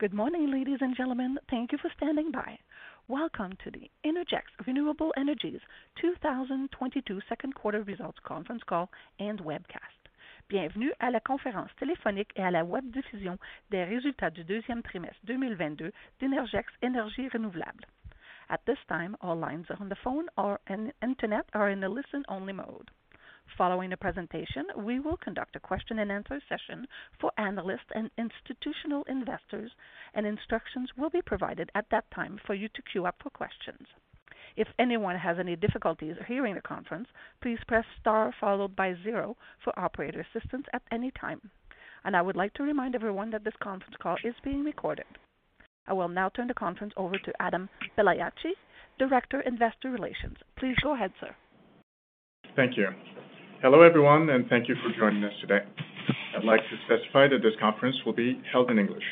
Good morning, ladies and gentlemen. Thank you for standing by. Welcome to the Innergex Renewable Energy 2022 second quarter results conference call and webcast. At this time, all lines on the phone and Internet are in a listen-only mode. Following the presentation, we will conduct a question and answer session for analysts and institutional investors, and instructions will be provided at that time for you to queue up for questions. If anyone has any difficulties hearing the conference, please press star followed by zero for operator assistance at any time. I would like to remind everyone that this conference call is being recorded. I will now turn the conference over to Adam Belayache, Director, Investor Relations. Please go ahead, sir. Thank you. Hello, everyone, and thank you for joining us today. I'd like to specify that this conference will be held in English.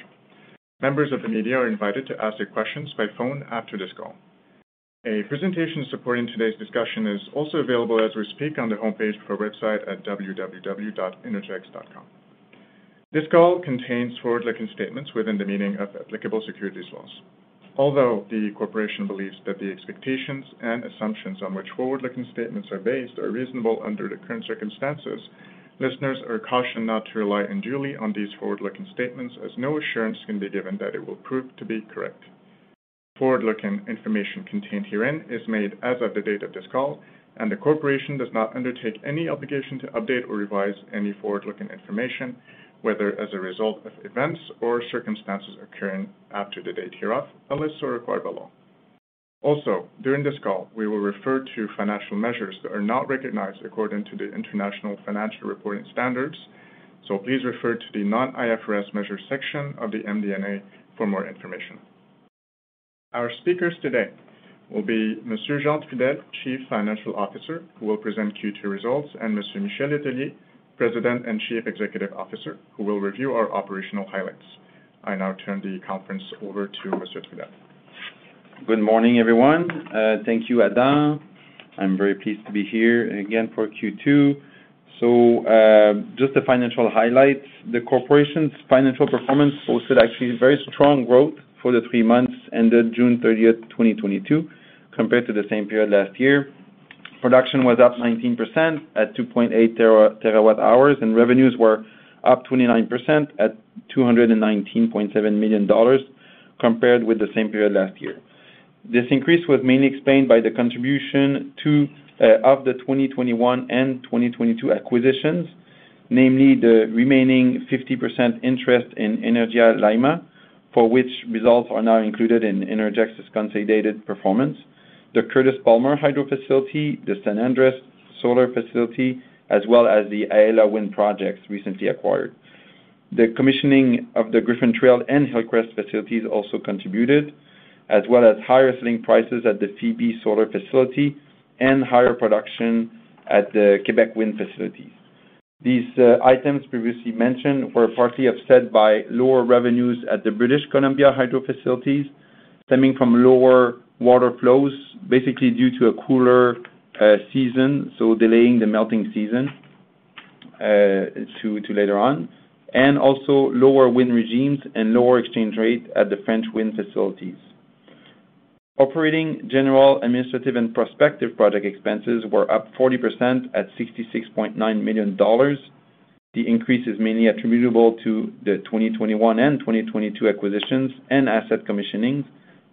Members of the media are invited to ask their questions by phone after this call. A presentation supporting today's discussion is also available as we speak on the homepage of our website at www.innergex.com. This call contains forward-looking statements within the meaning of applicable securities laws. Although the corporation believes that the expectations and assumptions on which forward-looking statements are based are reasonable under the current circumstances, listeners are cautioned not to rely unduly on these forward-looking statements, as no assurance can be given that it will prove to be correct. Forward-looking information contained herein is made as of the date of this call, and the corporation does not undertake any obligation to update or revise any forward-looking information, whether as a result of events or circumstances occurring after the date hereof, unless so required by law. Also, during this call, we will refer to financial measures that are not recognized according to the International Financial Reporting Standards. Please refer to the non-IFRS measure section of the MD&A for more information. Our speakers today will be Monsieur Jean-François Neault, Chief Financial Officer, who will present Q2 results, and Monsieur Michel Letellier, President and Chief Executive Officer, who will review our operational highlights. I now turn the conference over to Mr. Neault. Good morning, everyone. Thank you, Adam. I'm very pleased to be here again for Q2. Just the financial highlights. The corporation's financial performance posted actually very strong growth for the three months ended June 30, 2022 compared to the same period last year. Production was up 19% at 2.8 terawatt-hours, and revenues were up 29% at 219.7 million dollars compared with the same period last year. This increase was mainly explained by the contribution of the 2021 and 2022 acquisitions, namely the remaining 50% interest in Energía Llaima, for which results are now included in Innergex's consolidated performance, the Curtis Palmer Hydro facility, the San Andrés Solar facility, as well as the Aela Wind projects recently acquired. The commissioning of the Griffin Trail and Hillcrest facilities also contributed, as well as higher selling prices at the Phoebe Solar facility and higher production at the Quebec Wind facilities. These items previously mentioned were partly offset by lower revenues at the BC Hydro facilities, stemming from lower water flows, basically due to a cooler season, so delaying the melting season to later on, and also lower wind regimes and lower exchange rate at the French wind facilities. Operating, general, administrative, and prospective project expenses were up 40% at 66.9 million dollars. The increase is mainly attributable to the 2021 and 2022 acquisitions and asset commissionings,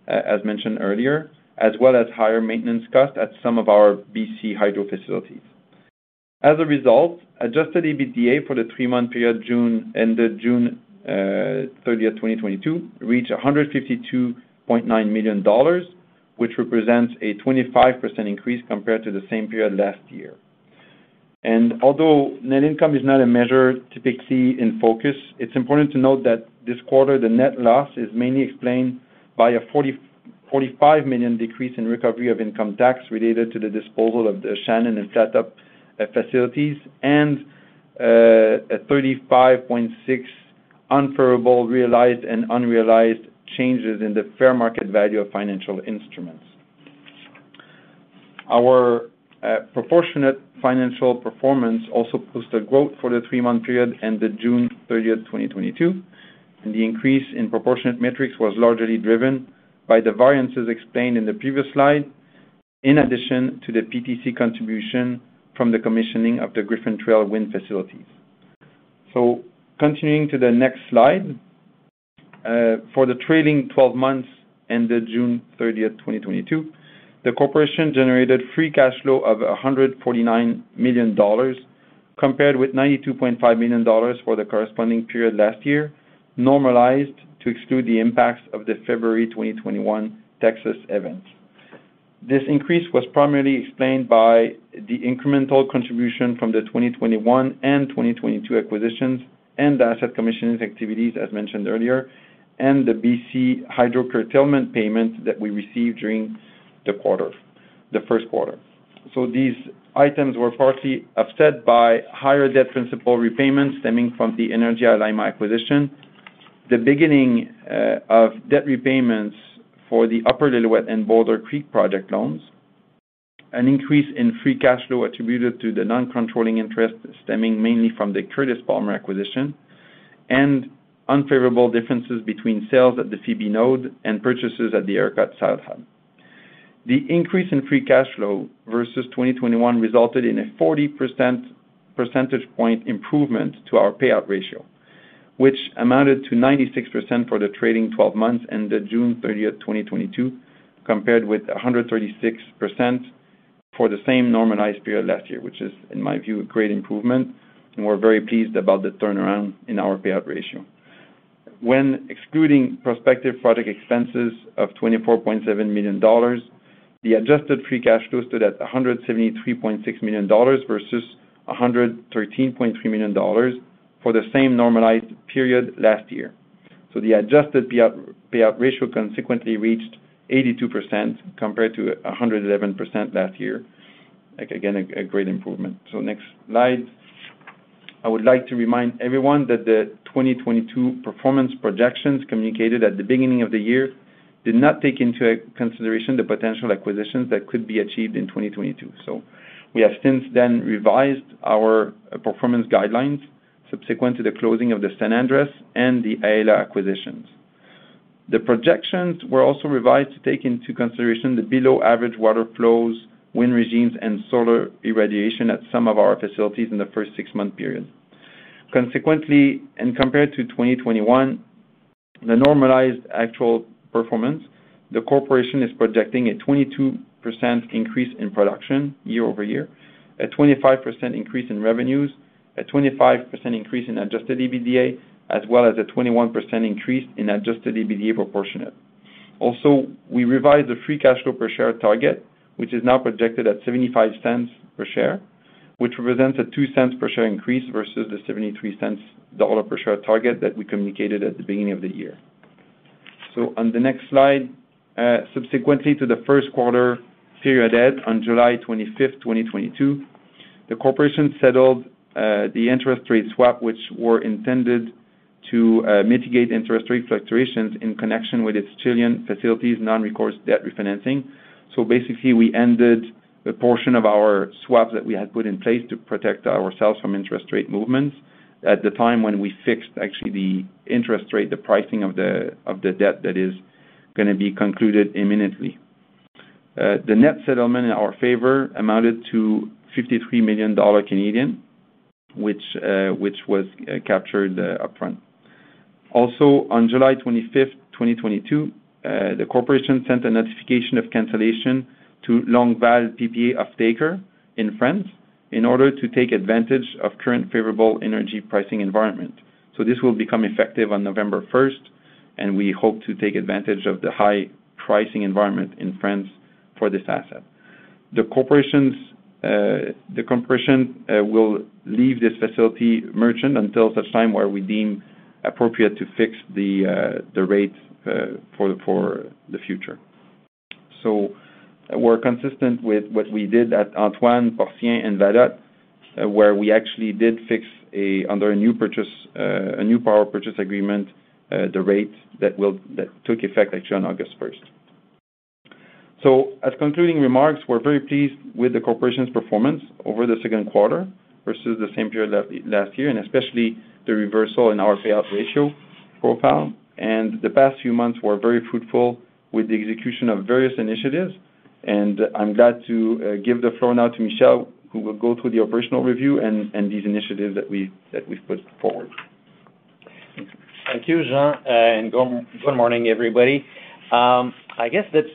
as mentioned earlier, as well as higher maintenance costs at some of our BC Hydro facilities. As a result, adjusted EBITDA for the three-month period ended June 30, 2022 reached 152.9 million dollars, which represents a 25% increase compared to the same period last year. Although net income is not a measure typically in focus, it's important to note that this quarter the net loss is mainly explained by a 45 million decrease in recovery of income tax related to the disposal of the Shannon and Setup facilities and a 35.6 million unfavorable realized and unrealized changes in the fair market value of financial instruments. Our proportionate financial performance also posted growth for the three-month period ended June 30, 2022, and the increase in proportionate metrics was largely driven by the variances explained in the previous slide, in addition to the PTC contribution from the commissioning of the Griffin Trail wind facilities. Continuing to the next slide. For the trailing twelve months ended June 30, 2022, the corporation generated free cash flow of 149 million dollars, compared with 92.5 million dollars for the corresponding period last year, normalized to exclude the impacts of the February 2021 Texas event. This increase was primarily explained by the incremental contribution from the 2021 and 2022 acquisitions and the asset commissioning activities, as mentioned earlier, and the BC Hydro curtailment payment that we received during the quarter, the first quarter. These items were partly offset by higher debt principal repayments stemming from the Energía Llaima acquisition, the beginning of debt repayments for the Upper Lillooet and Boulder Creek project loans. An increase in free cash flow attributed to the non-controlling interest stemming mainly from the Curtis Palmer acquisition and unfavorable differences between sales at the Phoebe node and purchases at the Arcot south hub. The increase in free cash flow versus 2021 resulted in a 40 percentage point improvement to our payout ratio, which amounted to 96% for the trailing twelve months ended June 30, 2022, compared with 136% for the same normalized period last year, which is, in my view, a great improvement, and we're very pleased about the turnaround in our payout ratio. When excluding prospective project expenses of 24.7 million dollars, the adjusted free cash flow stood at 173.6 million dollars versus 113.3 million dollars for the same normalized period last year. The adjusted payout ratio consequently reached 82%, compared to 111% last year. Like again, a great improvement. Next slide. I would like to remind everyone that the 2022 performance projections communicated at the beginning of the year did not take into consideration the potential acquisitions that could be achieved in 2022. We have since then revised our performance guidelines subsequent to the closing of the San Andrés and the Aela acquisitions. The projections were also revised to take into consideration the below average water flows, wind regimes, and solar irradiation at some of our facilities in the first six-month period. Consequently, and compared to 2021, the normalized actual performance, the corporation is projecting a 22% increase in production year-over-year, a 25% increase in revenues, a 25% increase in Adjusted EBITDA, as well as a 21% increase in Adjusted EBITDA proportionate. Also, we revised the free cash flow per share target, which is now projected at 0.75 per share, which represents a 0.02 per share increase versus the 0.73 per share target that we communicated at the beginning of the year. On the next slide, subsequently to the first quarter period end on July 25, 2022, the corporation settled the interest rate swap, which were intended to mitigate interest rate fluctuations in connection with its Chilean facilities non-recourse debt refinancing. Basically, we ended a portion of our swaps that we had put in place to protect ourselves from interest rate movements at the time when we fixed actually the interest rate, the pricing of the debt that is gonna be concluded imminently. The net settlement in our favor amounted to 53 million Canadian dollars, which was captured upfront. Also, on July 25, 2022, the corporation sent a notification of cancellation to Longueval PPA offtaker in France in order to take advantage of current favorable energy pricing environment. This will become effective on November 1st, and we hope to take advantage of the high pricing environment in France for this asset. The corporation will leave this facility merchant until such time where we deem appropriate to fix the rate for the future. We're consistent with what we did at Antoigné, Porcien, and Vallottes, where we actually did fix under a new power purchase agreement the rate that took effect actually on August first. As concluding remarks, we're very pleased with the corporation's performance over the second quarter versus the same period last year, and especially the reversal in our payout ratio profile. The past few months were very fruitful with the execution of various initiatives, and I'm glad to give the floor now to Michel, who will go through the operational review and these initiatives that we've put forward. Thank you, Jean, and good morning, everybody. I guess that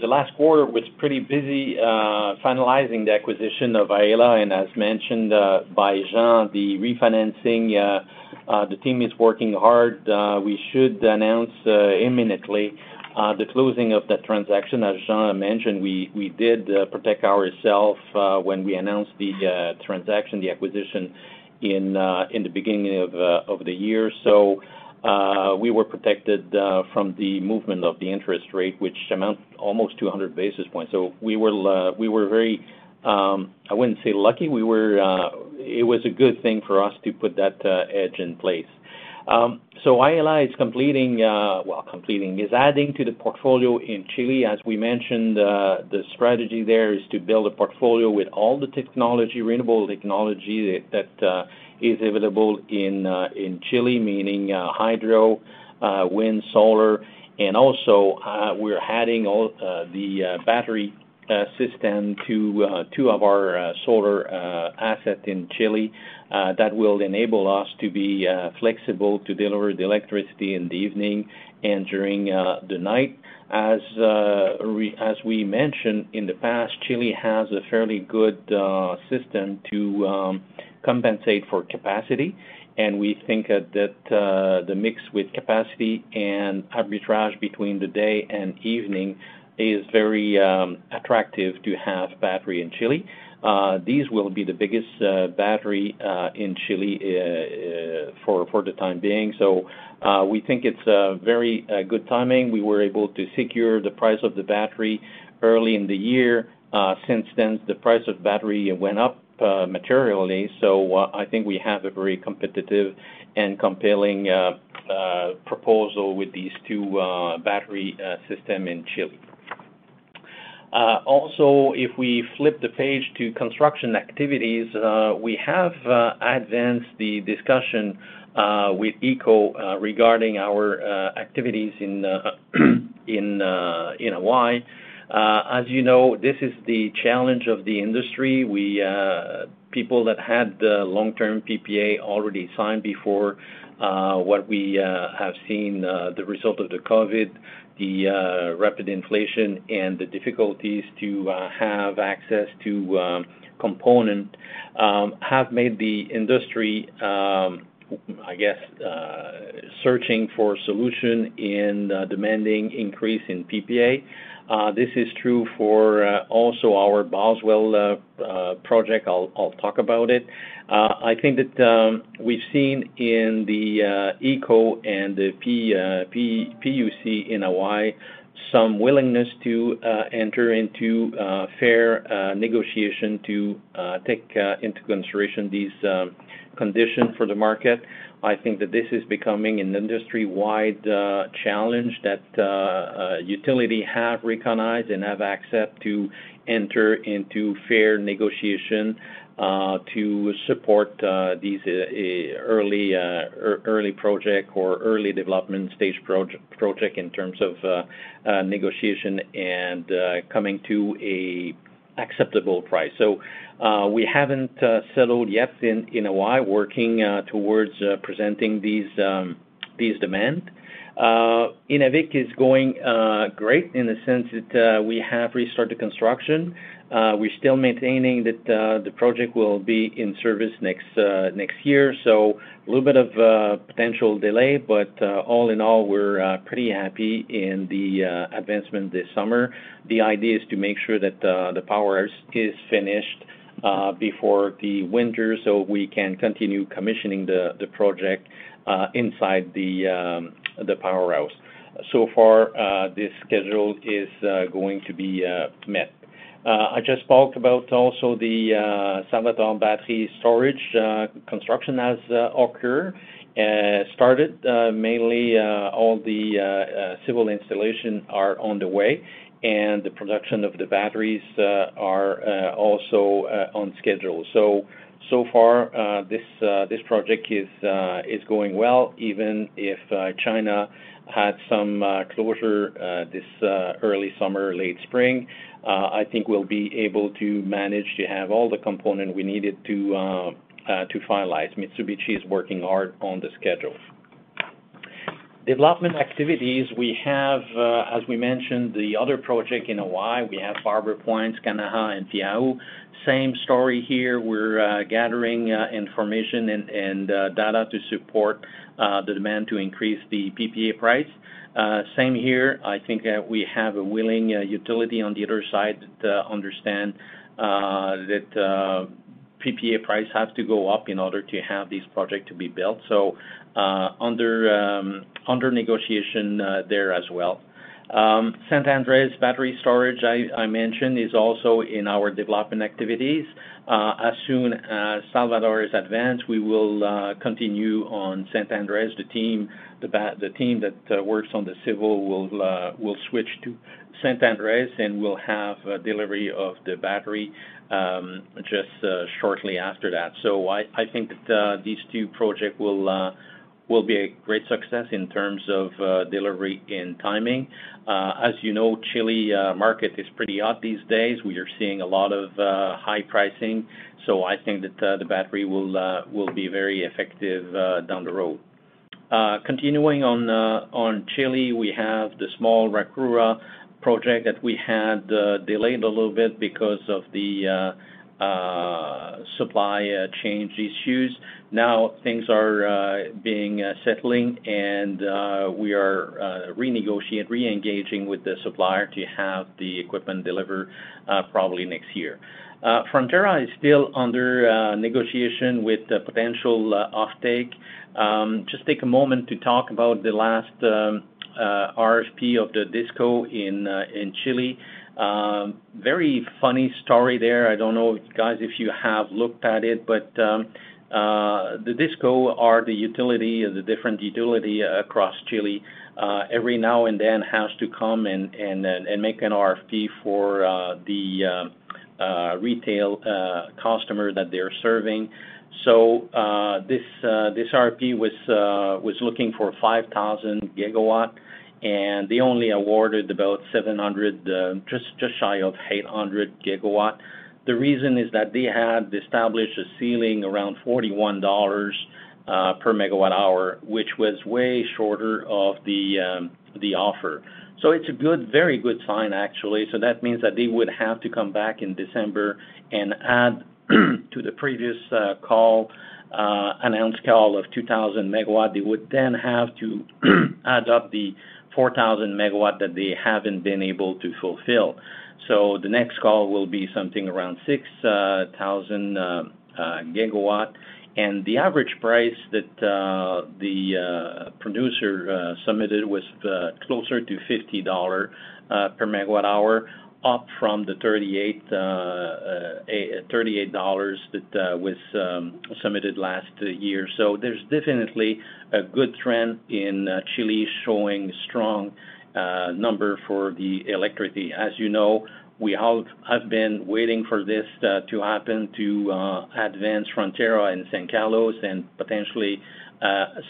the last quarter was pretty busy finalizing the acquisition of Aela. As mentioned by Jean, the refinancing. The team is working hard. We should announce imminently the closing of the transaction. As Jean mentioned, we did protect ourself when we announced the transaction, the acquisition in the beginning of the year. We were protected from the movement of the interest rate, which amount almost to 100 basis points. We were very. I wouldn't say lucky. It was a good thing for us to put that hedge in place. Aela is completing well, is adding to the portfolio in Chile. As we mentioned, the strategy there is to build a portfolio with all the renewable technology that is available in Chile, meaning hydro, wind, solar, and also, we're adding all the battery system to two of our solar asset in Chile that will enable us to be flexible to deliver the electricity in the evening and during the night. As we mentioned in the past, Chile has a fairly good system to compensate for capacity, and we think that the mix with capacity and arbitrage between the day and evening is very attractive to have battery in Chile. These will be the biggest battery in Chile for the time being. We think it's a very good timing. We were able to secure the price of the battery early in the year. Since then, the price of battery went up materially, so I think we have a very competitive and compelling proposal with these two battery system in Chile. Also, if we flip the page to construction activities, we have advanced the discussion with HECO regarding our activities in Hawaii. As you know, this is the challenge of the industry. We've seen people that had the long-term PPA already signed before what we have seen, the result of the COVID, the rapid inflation, and the difficulties to have access to component have made the industry, I guess, searching for solution in demanding increase in PPA. This is also true for our Boswell project. I'll talk about it. I think that we've seen in the HECO and the PUC in Hawaii some willingness to enter into fair negotiation to take into consideration these conditions for the market. I think that this is becoming an industry-wide challenge that utilities have recognized and have accepted to enter into fair negotiation to support these early project or early development stage project in terms of negotiation and coming to an acceptable price. We haven't settled yet in Hawaii, working towards presenting these demands. Inuvik is going great in the sense that we have restarted construction. We're still maintaining that the project will be in service next year, so a little bit of potential delay, but all in all, we're pretty happy in the advancement this summer. The idea is to make sure that the power is finished before the winter, so we can continue commissioning the project inside the powerhouse. So far, this schedule is going to be met. I just spoke about also the Salvador battery storage. Construction has started mainly all the civil installation are on the way, and the production of the batteries are also on schedule. So far, this project is going well, even if China had some closure this early summer, late spring. I think we'll be able to manage to have all the component we needed to finalize. Mitsubishi is working hard on the schedule. Development activities, we have, as we mentioned, the other project in Hawaii. We have Barbers Point, Kanaha, and Paeahu. Same story here. We're gathering information and data to support the demand to increase the PPA price. Same here. I think we have a willing utility on the other side to understand that PPA price has to go up in order to have these project to be built. Under negotiation there as well. San Andrés battery storage, I mentioned, is also in our development activities. As soon as Salvador is advanced, we will continue on San Andrés. The team that works on the civil will switch to San Andrés, and we'll have a delivery of the battery just shortly after that. I think that these two projects will be a great success in terms of delivery and timing. As you know, Chile market is pretty hot these days. We are seeing a lot of high pricing. I think that the battery will be very effective down the road. Continuing on Chile, we have the small Rucacura project that we had delayed a little bit because of the supply chain issues. Now things are settling and we are re-engaging with the supplier to have the equipment delivered probably next year. Frontera is still under negotiation with the potential offtake. Just take a moment to talk about the last RFP of the DisCos in Chile. Very funny story there. I don't know, guys, if you have looked at it, but the DisCos are the utilities and the different utilities across Chile every now and then has to come and make an RFP for the retail customers that they're serving. This RFP was looking for 5,000 GWh, and they only awarded about 700, just shy of 800 GWh. The reason is that they had established a ceiling around $41 per MWh, which was way short of the offer. It's a good, very good sign actually. That means that they would have to come back in December and add to the previous announced call of 2,000 MW. They would then have to add up the 4,000 MW that they haven't been able to fulfill. The next call will be something around 6,000 GW. The average price that the producer submitted was closer to $50 per MWh, up from the 38 at $38 that was submitted last year. There's definitely a good trend in Chile showing strong number for the electricity. As you know, we all have been waiting for this to happen to advance Frontera and San Carlos, and potentially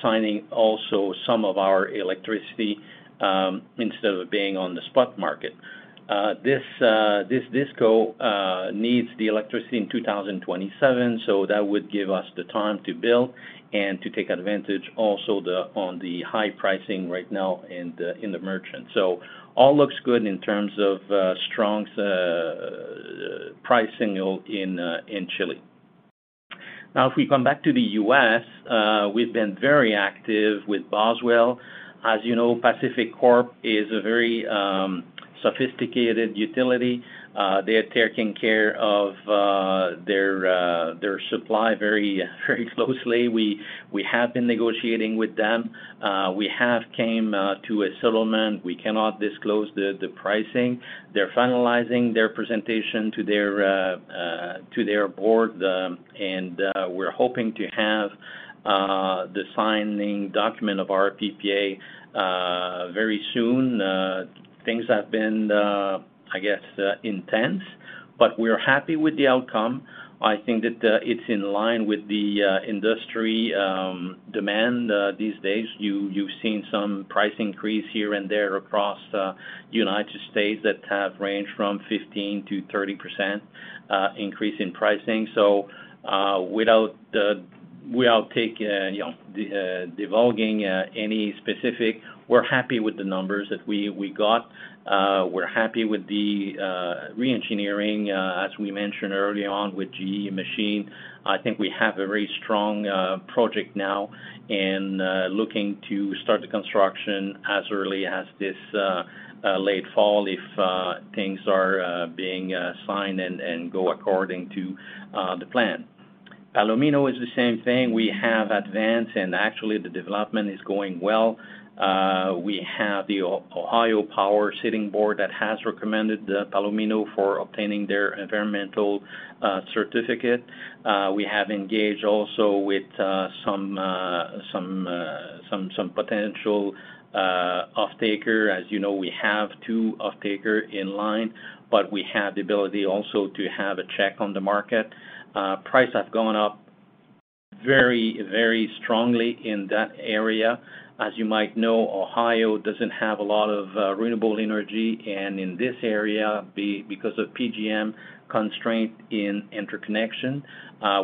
signing also some of our electricity instead of it being on the spot market. This DisCos needs the electricity in 2027, so that would give us the time to build and to take advantage also the, on the high pricing right now in the, in the merchant. All looks good in terms of strong price signal in Chile. Now if we come back to the U.S., we've been very active with Boswell. As you know, PacifiCorp is a very sophisticated utility. They are taking care of their supply very, very closely. We have been negotiating with them. We have came to a settlement. We cannot disclose the pricing. They're finalizing their presentation to their board, and we're hoping to have the signing document of our PPA very soon. Things have been, I guess, intense, but we're happy with the outcome. I think that it's in line with the industry demand these days. You've seen some price increase here and there across the United States that have ranged from 15%-30% increase in pricing. Without taking, you know, divulging any specific, we're happy with the numbers that we got. We're happy with the re-engineering as we mentioned early on with GE machine. I think we have a very strong project now and looking to start the construction as early as this late fall if things are being signed and go according to the plan. Palomino is the same thing. We have advanced, and actually the development is going well. We have the Ohio Power Siting Board that has recommended Palomino for obtaining their environmental certificate. We have engaged also with some potential off-taker. As you know, we have two off-taker in line, but we have the ability also to have a check on the market. Price has gone up very, very strongly in that area. As you might know, Ohio doesn't have a lot of renewable energy, and in this area, because of PJM constraint in interconnection,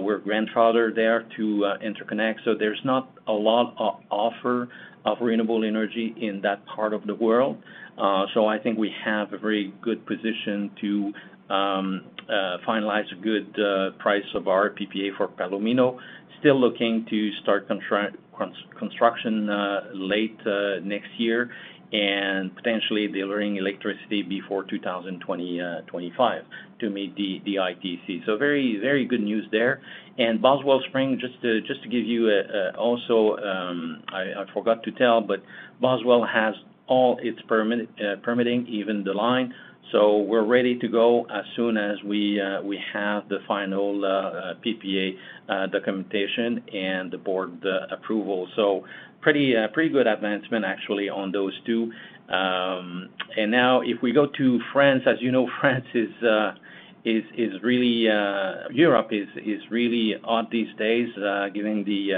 we're grandfathered there to interconnect, so there's not a lot offer of renewable energy in that part of the world. I think we have a very good position to finalize a good price of our PPA for Palomino. Still looking to start construction late next year and potentially delivering electricity before 2025 to meet the ITC. Very good news there. Boswell Springs, just to give you also, I forgot to tell, but Boswell has all its permitting, even the line. We're ready to go as soon as we have the final PPA documentation and the board approval. Pretty good advancement actually on those two. Now if we go to France, as you know, France is really, Europe is really hot these days, given the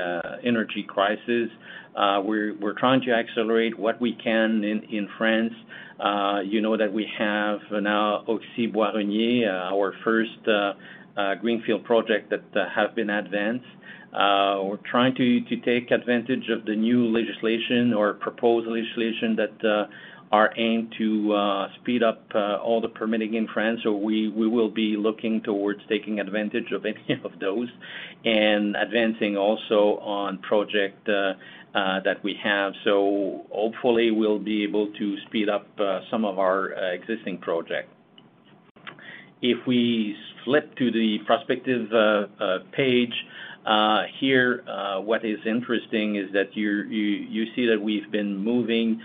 energy crisis. We're trying to accelerate what we can in France. You know that we have now Oxy Bois-Roget, our first greenfield project that have been advanced. We're trying to take advantage of the new legislation or proposed legislation that are aimed to speed up all the permitting in France. We will be looking towards taking advantage of any of those and advancing also on project that we have. Hopefully, we'll be able to speed up some of our existing project. If we flip to the prospects page here, what is interesting is that you see that we've been moving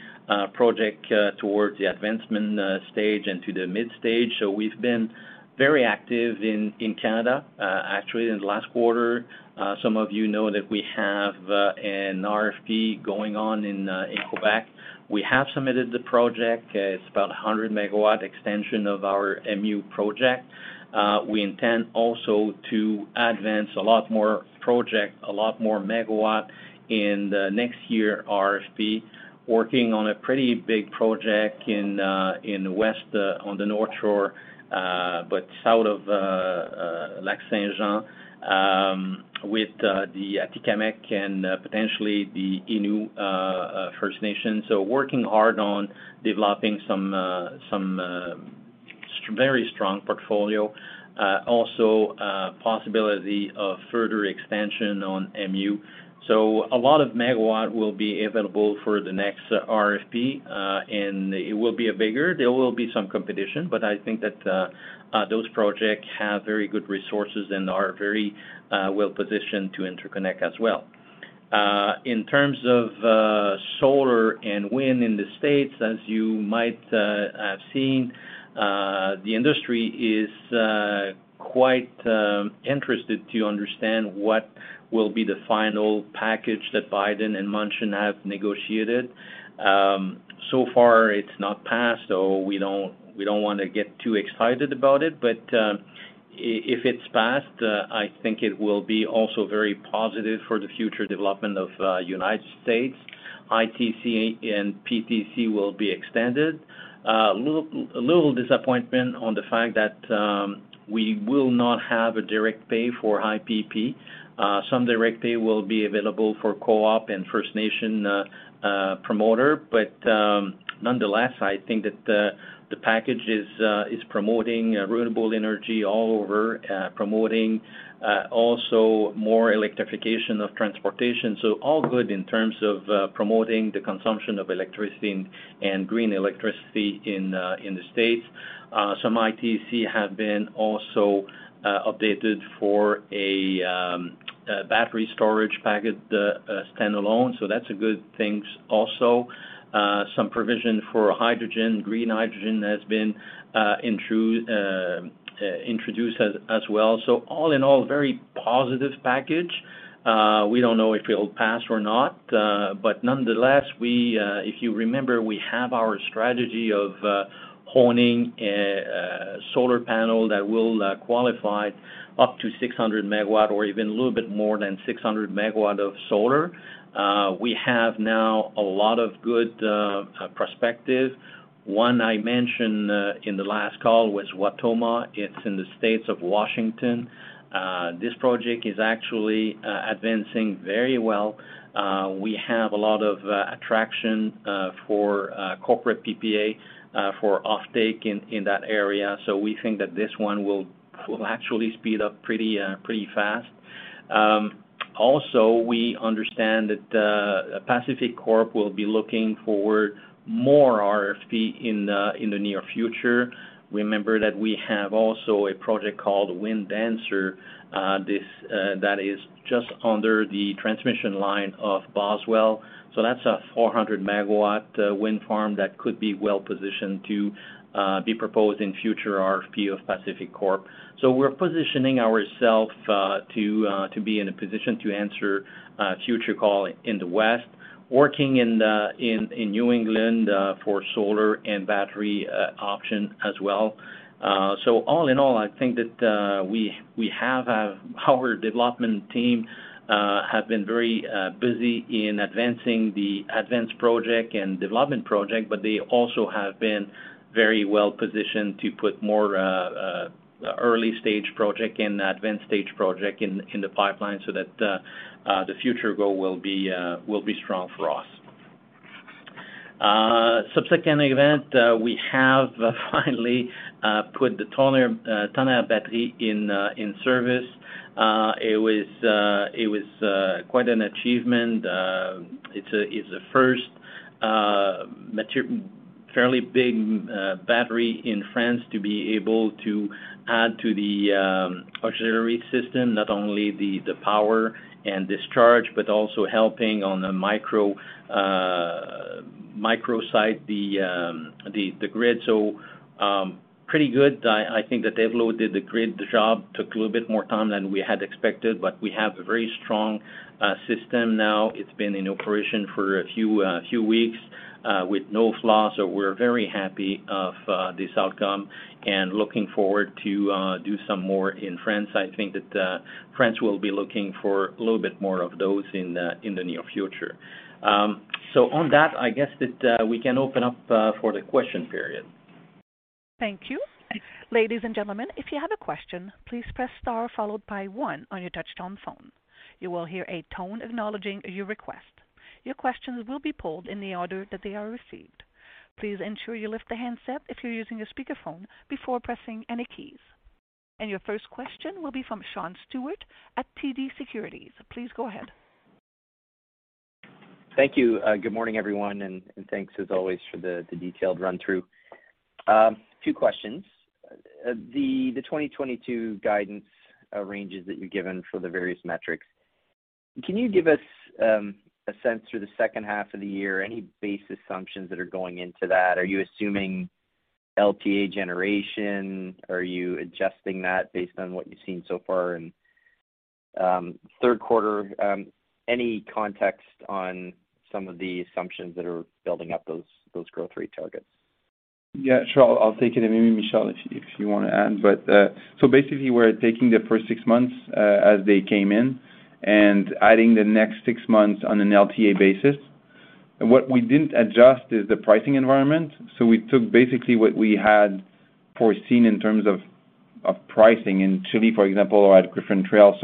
project towards the advancement stage and to the mid stage. We've been very active in Canada. Actually in the last quarter, some of you know that we have an RFP going on in Quebec. We have submitted the project. It's about a 100 MW extension of our MU project. We intend also to advance a lot more projects, a lot more megawatts in the next year RFP. Working on a pretty big project in west, on the North Shore, but south of Lac-Saint-Jean, with the Atikamekw and potentially the Innu First Nation. Working hard on developing some very strong portfolio. Also, possibility of further expansion on MU. A lot of megawatts will be available for the next RFP, and it will be a bigger. There will be some competition, but I think that, those projects have very good resources and are very, well-positioned to interconnect as well. In terms of solar and wind in the States, as you might, have seen, the industry is, quite, interested to understand what will be the final package that Biden and Manchin have negotiated. So far it's not passed, so we don't wanna get too excited about it. If it's passed, I think it will be also very positive for the future development of United States. ITC and PTC will be extended. Little disappointment on the fact that, we will not have a direct pay for IPP. Some direct pay will be available for Co-op and First Nation promoter. Nonetheless, I think that the package is promoting renewable energy all over, promoting also more electrification of transportation. All good in terms of promoting the consumption of electricity and green electricity in the States. Some ITC have been also updated for a battery storage, standalone, so that's a good things also. Some provision for hydrogen, green hydrogen has been introduced as well. All in all, very positive package. We don't know if it'll pass or not, but nonetheless, if you remember, we have our strategy of owning solar panels that will qualify up to 600 MW or even a little bit more than 600 MW of solar. We have now a lot of good perspective. One I mentioned in the last call was Wautoma. It's in the state of Washington. This project is actually advancing very well. We have a lot of traction for corporate PPA for offtake in that area. We think that this one will actually speed up pretty fast. Also, we understand that PacifiCorp will be looking for more RFP in the near future. Remember that we have also a project called Wind Dancer, that is just under the transmission line of Boswell. That's a 400 MW wind farm that could be well positioned to be proposed in future RFP of PacifiCorp. We're positioning ourself to be in a position to answer future call in the West, working in New England for solar and battery option as well. All in all, I think that we have our development team have been very busy in advancing the advanced project and development project, but they also have been very well positioned to put more early stage project and advanced stage project in the pipeline so that the future goal will be strong for us. Subsequent event, we have finally put the Tonnerre battery in service. It was quite an achievement. It's a first, fairly big battery in France to be able to add to the auxiliary system, not only the power and discharge, but also helping on the microgrid, the grid. Pretty good. I think that Devlo did a great job. Took a little bit more time than we had expected, but we have a very strong system now. It's been in operation for a few weeks with no flaws, so we're very happy of this outcome and looking forward to do some more in France. I think that France will be looking for a little bit more of those in the near future. On that, I guess that we can open up for the question period. Thank you. Ladies and gentlemen, if you have a question, please press star followed by one on your touchtone phone. You will hear a tone acknowledging your request. Your questions will be pulled in the order that they are received. Please ensure you lift the handset if you're using a speakerphone before pressing any keys. Your first question will be from Sean Steuart at TD Securities. Please go ahead. Thank you. Good morning, everyone, and thanks as always for the detailed run-through. Two questions. The 2022 guidance ranges that you've given for the various metrics, can you give us a sense for the second half of the year, any base assumptions that are going into that? Are you assuming LTA generation? Are you adjusting that based on what you've seen so far? Third quarter, any context on some of the assumptions that are building up those growth rate targets? Yeah, sure. I'll take it and maybe Michel, if you wanna add. Basically we're taking the first six months as they came in and adding the next six months on an LTA basis. What we didn't adjust is the pricing environment. We took basically what we had foreseen in terms of pricing in Chile, for example, or at Griffin Trail.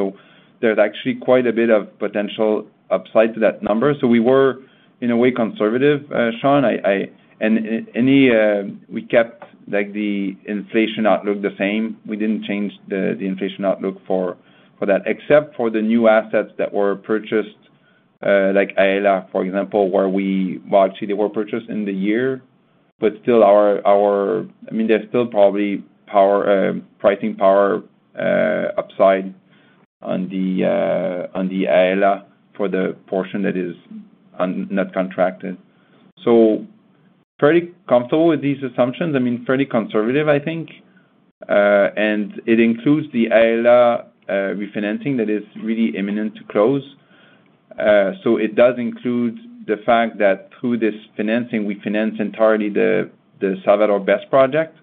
There's actually quite a bit of potential upside to that number. We were, in a way, conservative, Sean. Anyway, we kept, like, the inflation outlook the same. We didn't change the inflation outlook for that, except for the new assets that were purchased, like Aela, for example, well, actually, they were purchased in the year. But still our, I mean, there's still probably power pricing power upside on the on the Aela for the portion that is not contracted. Pretty comfortable with these assumptions. I mean, pretty conservative, I think. It includes the Aela refinancing that is really imminent to close. It does include the fact that through this financing, we finance entirely the Salvador BESS project,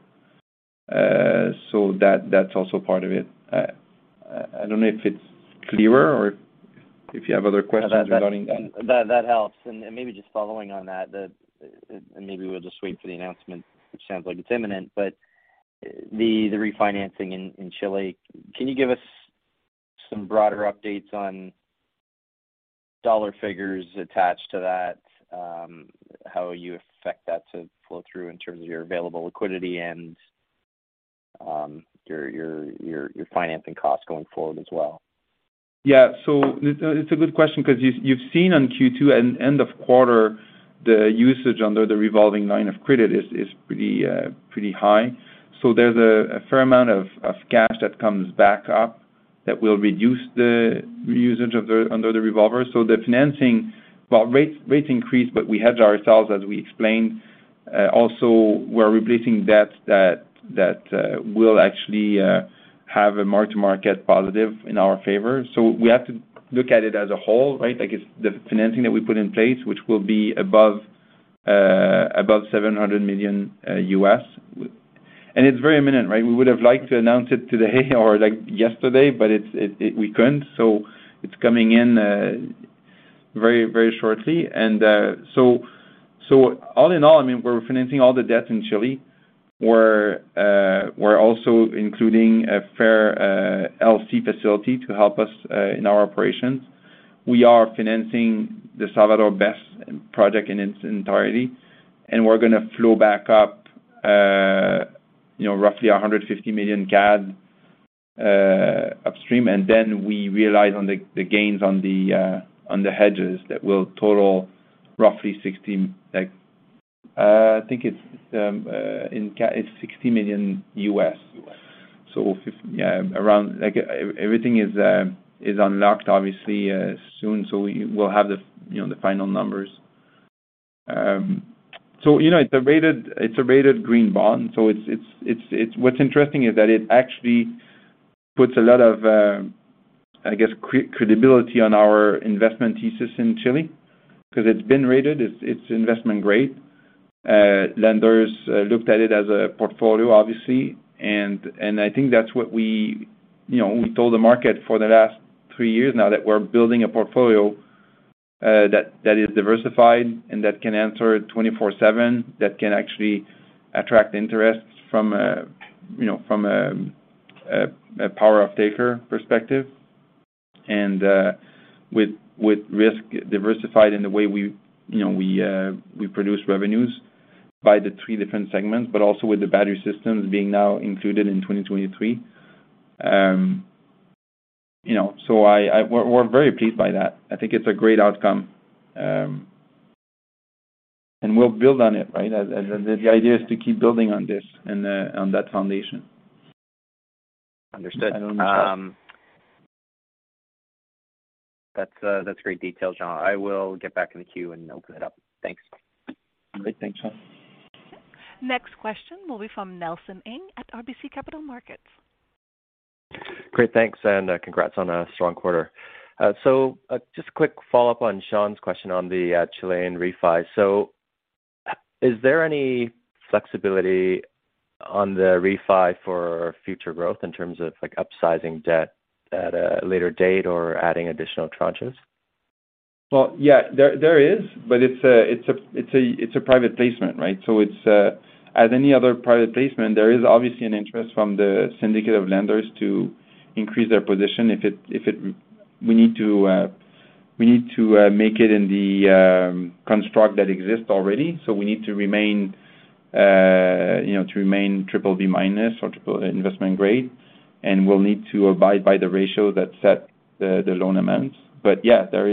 so that's also part of it. I don't know if it's clearer or if you have other questions regarding that. That helps. Maybe just following on that. Maybe we'll just wait for the announcement, which sounds like it's imminent. The refinancing in Chile, can you give us some broader updates on dollar figures attached to that? How you expect that to flow through in terms of your available liquidity and your financing costs going forward as well? Yeah. It's a good question 'cause you've seen on Q2 and end of quarter, the usage under the revolving line of credit is pretty high. There's a fair amount of cash that comes back up that will reduce the usage under the revolver. The financing. Well, rates increased, but we hedged ourselves as we explained. Also, we're replacing debts that will actually have a mark-to-market positive in our favor. We have to look at it as a whole, right? Like, it's the financing that we put in place, which will be above $700 million. It's very imminent, right? We would have liked to announce it today or, like, yesterday, but we couldn't. It's coming in very, very shortly. All in all, I mean, we're refinancing all the debt in Chile. We're also including a fair LC facility to help us in our operations. We are financing the Salvador BESS project in its entirety, and we're gonna flow back up roughly 150 million CAD upstream. We realize on the gains on the hedges that will total roughly $60 million. Yeah, around, like, everything is unlocked obviously soon, so we will have the final numbers. It's a rated green bond. What's interesting is that it actually puts a lot of, I guess, credibility on our investment thesis in Chile 'cause it's been rated investment grade. Lenders looked at it as a portfolio, obviously. I think that's what we, you know, we told the market for the last three years now that we're building a portfolio that is diversified and that can answer 24/7, that can actually attract interest from, you know, from a power off-taker perspective. With risk diversified in the way we, you know, we produce revenues by the three different segments, but also with the battery systems being now included in 2023. You know, we're very pleased by that. I think it's a great outcome. We'll build on it, right? The idea is to keep building on this and on that foundation. Understood. I don't know if that. That's great detail, Jean. I will get back in the queue and open it up. Thanks. All right. Thanks, Sean. Next question will be from Nelson Ng at RBC Capital Markets. Great, thanks, and congrats on a strong quarter. Just a quick follow-up on Sean's question on the Chilean refi. Is there any flexibility on the refi for future growth in terms of, like, upsizing debt at a later date or adding additional tranches? Yeah, there is, but it's a private placement, right? It's as any other private placement, there is obviously an interest from the syndicate of lenders to increase their position. We need to make it in the construct that exists already. We need to remain, you know, to remain BBB- or triple investment grade, and we'll need to abide by the ratio that set the loan amounts. Yeah, there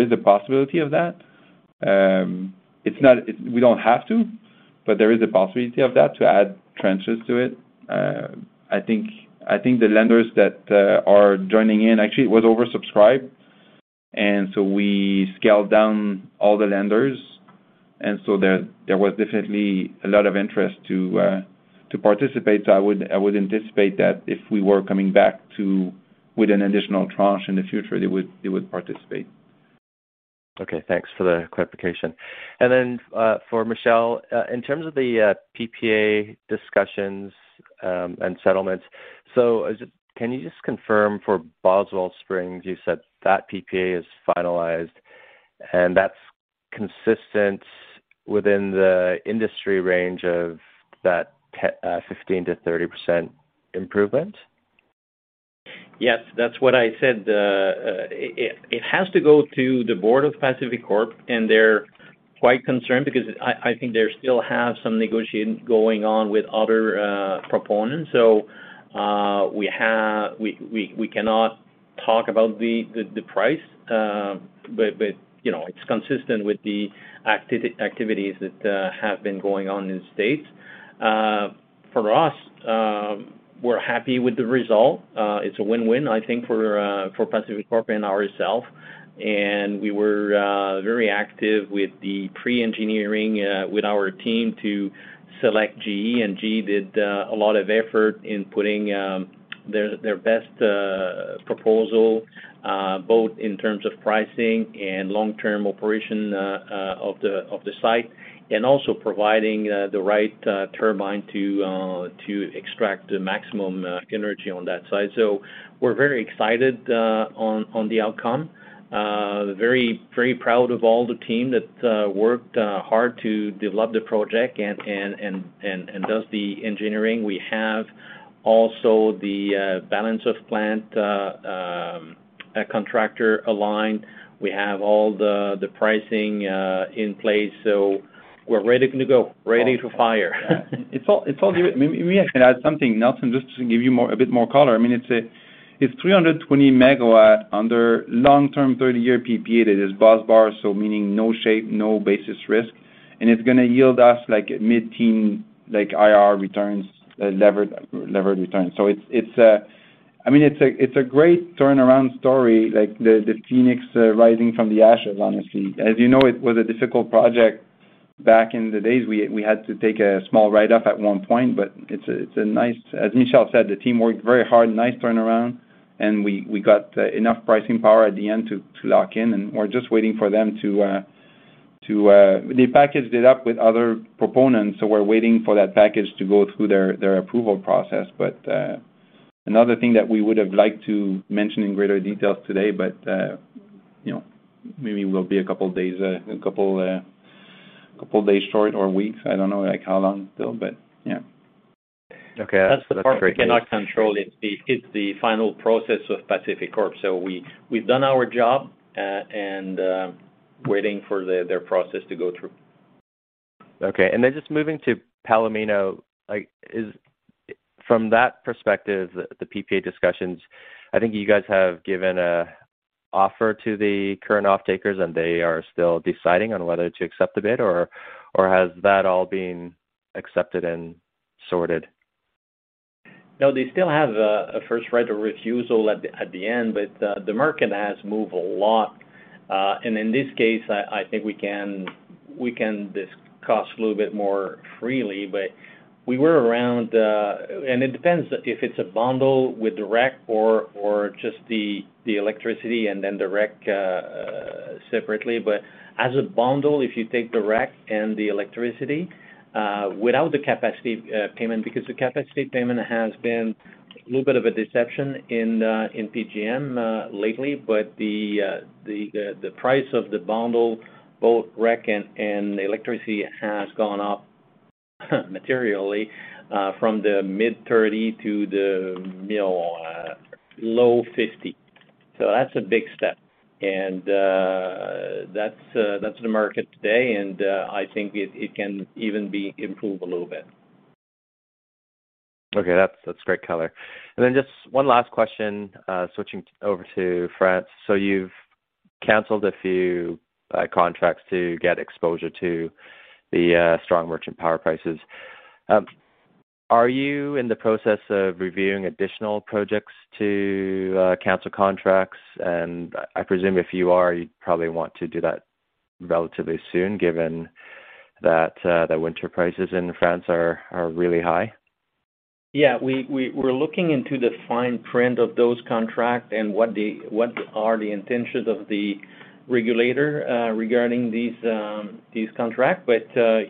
is a possibility of that. It's not—We don't have to, but there is a possibility of that, to add tranches to it. I think the lenders that are joining in. Actually, it was oversubscribed, and so we scaled down all the lenders. There was definitely a lot of interest to participate. I would anticipate that if we were coming back to with an additional tranche in the future, they would participate. Okay, thanks for the clarification. For Michel, in terms of the PPA discussions and settlements, can you just confirm for Boswell Springs, you said that PPA is finalized and that's consistent within the industry range of 15%-30% improvement? Yes, that's what I said. It has to go to the Board of PacifiCorp, and they're quite concerned because I think they still have some negotiating going on with other proponents. We cannot talk about the price. You know, it's consistent with the activities that have been going on in the States. For us, we're happy with the result. It's a win-win, I think, for PacifiCorp and ourself. We were very active with the pre-engineering with our team to select GE, and GE did a lot of effort in putting their best proposal both in terms of pricing and long-term operation of the site, and also providing the right turbine to extract the maximum energy on that site. We're very excited on the outcome. Very proud of all the team that worked hard to develop the project and does the engineering. We have also the balance of plant a contractor aligned. We have all the pricing in place, so we're ready to go, ready to fire. It's all good. Maybe I can add something, Nelson, just to give you more, a bit more color. I mean, it's 320 MW under long-term 30-year PPA that is busbar, so meaning no shape, no basis risk, and it's gonna yield us like mid-teen, like IR returns, levered returns. It's a great turnaround story, like the phoenix rising from the ashes, honestly. As you know, it was a difficult project back in the days. We had to take a small write-off at one point, but it's a nice turnaround. As Michel said, the team worked very hard. Nice turnaround, and we got enough pricing power at the end to lock in, and we're just waiting for them to. They packaged it up with other proponents, so we're waiting for that package to go through their approval process. Another thing that we would have liked to mention in greater detail today, you know, maybe we'll be a couple days short or weeks. I don't know, like, how long still, but yeah. Okay. That's great. That's the part we cannot control. It's the final process of PacifiCorp. So we've done our job and waiting for their process to go through. Okay. Then just moving to Palomino, like, is from that perspective, the PPA discussions. I think you guys have given an offer to the current offtakers, and they are still deciding on whether to accept the bid, or has that all been accepted and sorted? No, they still have a first right of refusal at the end, but the market has moved a lot. In this case, I think we can discuss a little bit more freely. We were around. It depends if it's a bundle with the REC or just the electricity and then the REC separately. As a bundle, if you take the REC and the electricity without the CapEx payment, because the CapEx payment has been a little bit of a deception in PJM lately. The price of the bundle, both REC and the electricity, has gone up materially from the mid-30 to the, you know, low 50. That's a big step. That's the market today, and I think it can even be improved a little bit. Okay. That's great color. Then just one last question, switching over to France. So you've canceled a few contracts to get exposure to the strong merchant power prices. Are you in the process of reviewing additional projects to cancel contracts? I presume if you are, you'd probably want to do that relatively soon, given that the winter prices in France are really high? Yeah. We're looking into the fine print of those contracts and what are the intentions of the regulator regarding these contracts.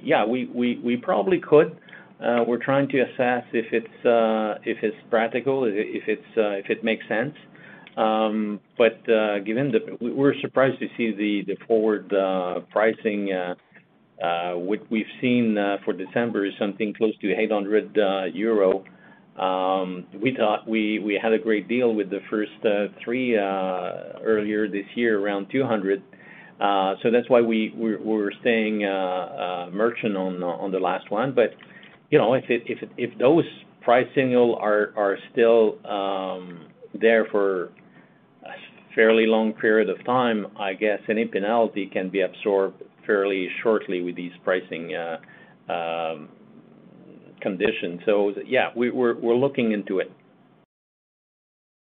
Yeah, we probably could. We're trying to assess if it's practical, if it makes sense. Given the forward pricing, we're surprised to see the forward pricing. What we've seen for December is something close to 800 euro. We thought we had a great deal with the first three earlier this year around 200. That's why we're staying merchant on the last one. You know, if those price signals are still there for a fairly long period of time, I guess any penalty can be absorbed fairly shortly with these pricing conditions. Yeah, we're looking into it.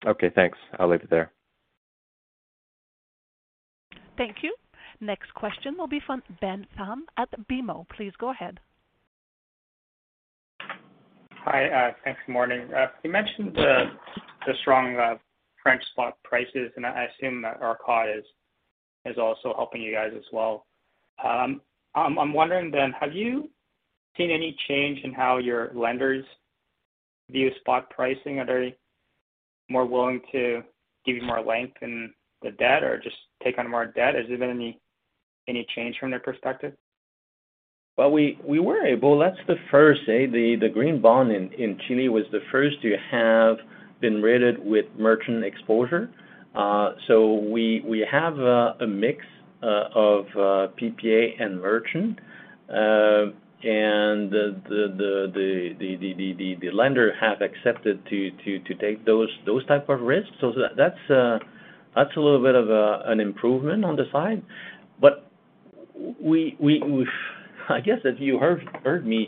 Okay, thanks. I'll leave it there. Thank you. Next question will be from Ben Pham at BMO. Please go ahead. Hi. Thanks, good morning. You mentioned the strong French spot prices, and I assume that ERCOT is also helping you guys as well. I'm wondering then, have you seen any change in how your lenders view spot pricing? Are they more willing to give you more length in the debt or just take on more debt? Has there been any change from their perspective? We were able. That's the first green bond in Chile was the first to have been rated with merchant exposure. We have a mix of PPA and merchant. The lender have accepted to take those type of risks. That's a little bit of an improvement on the side. I guess if you heard me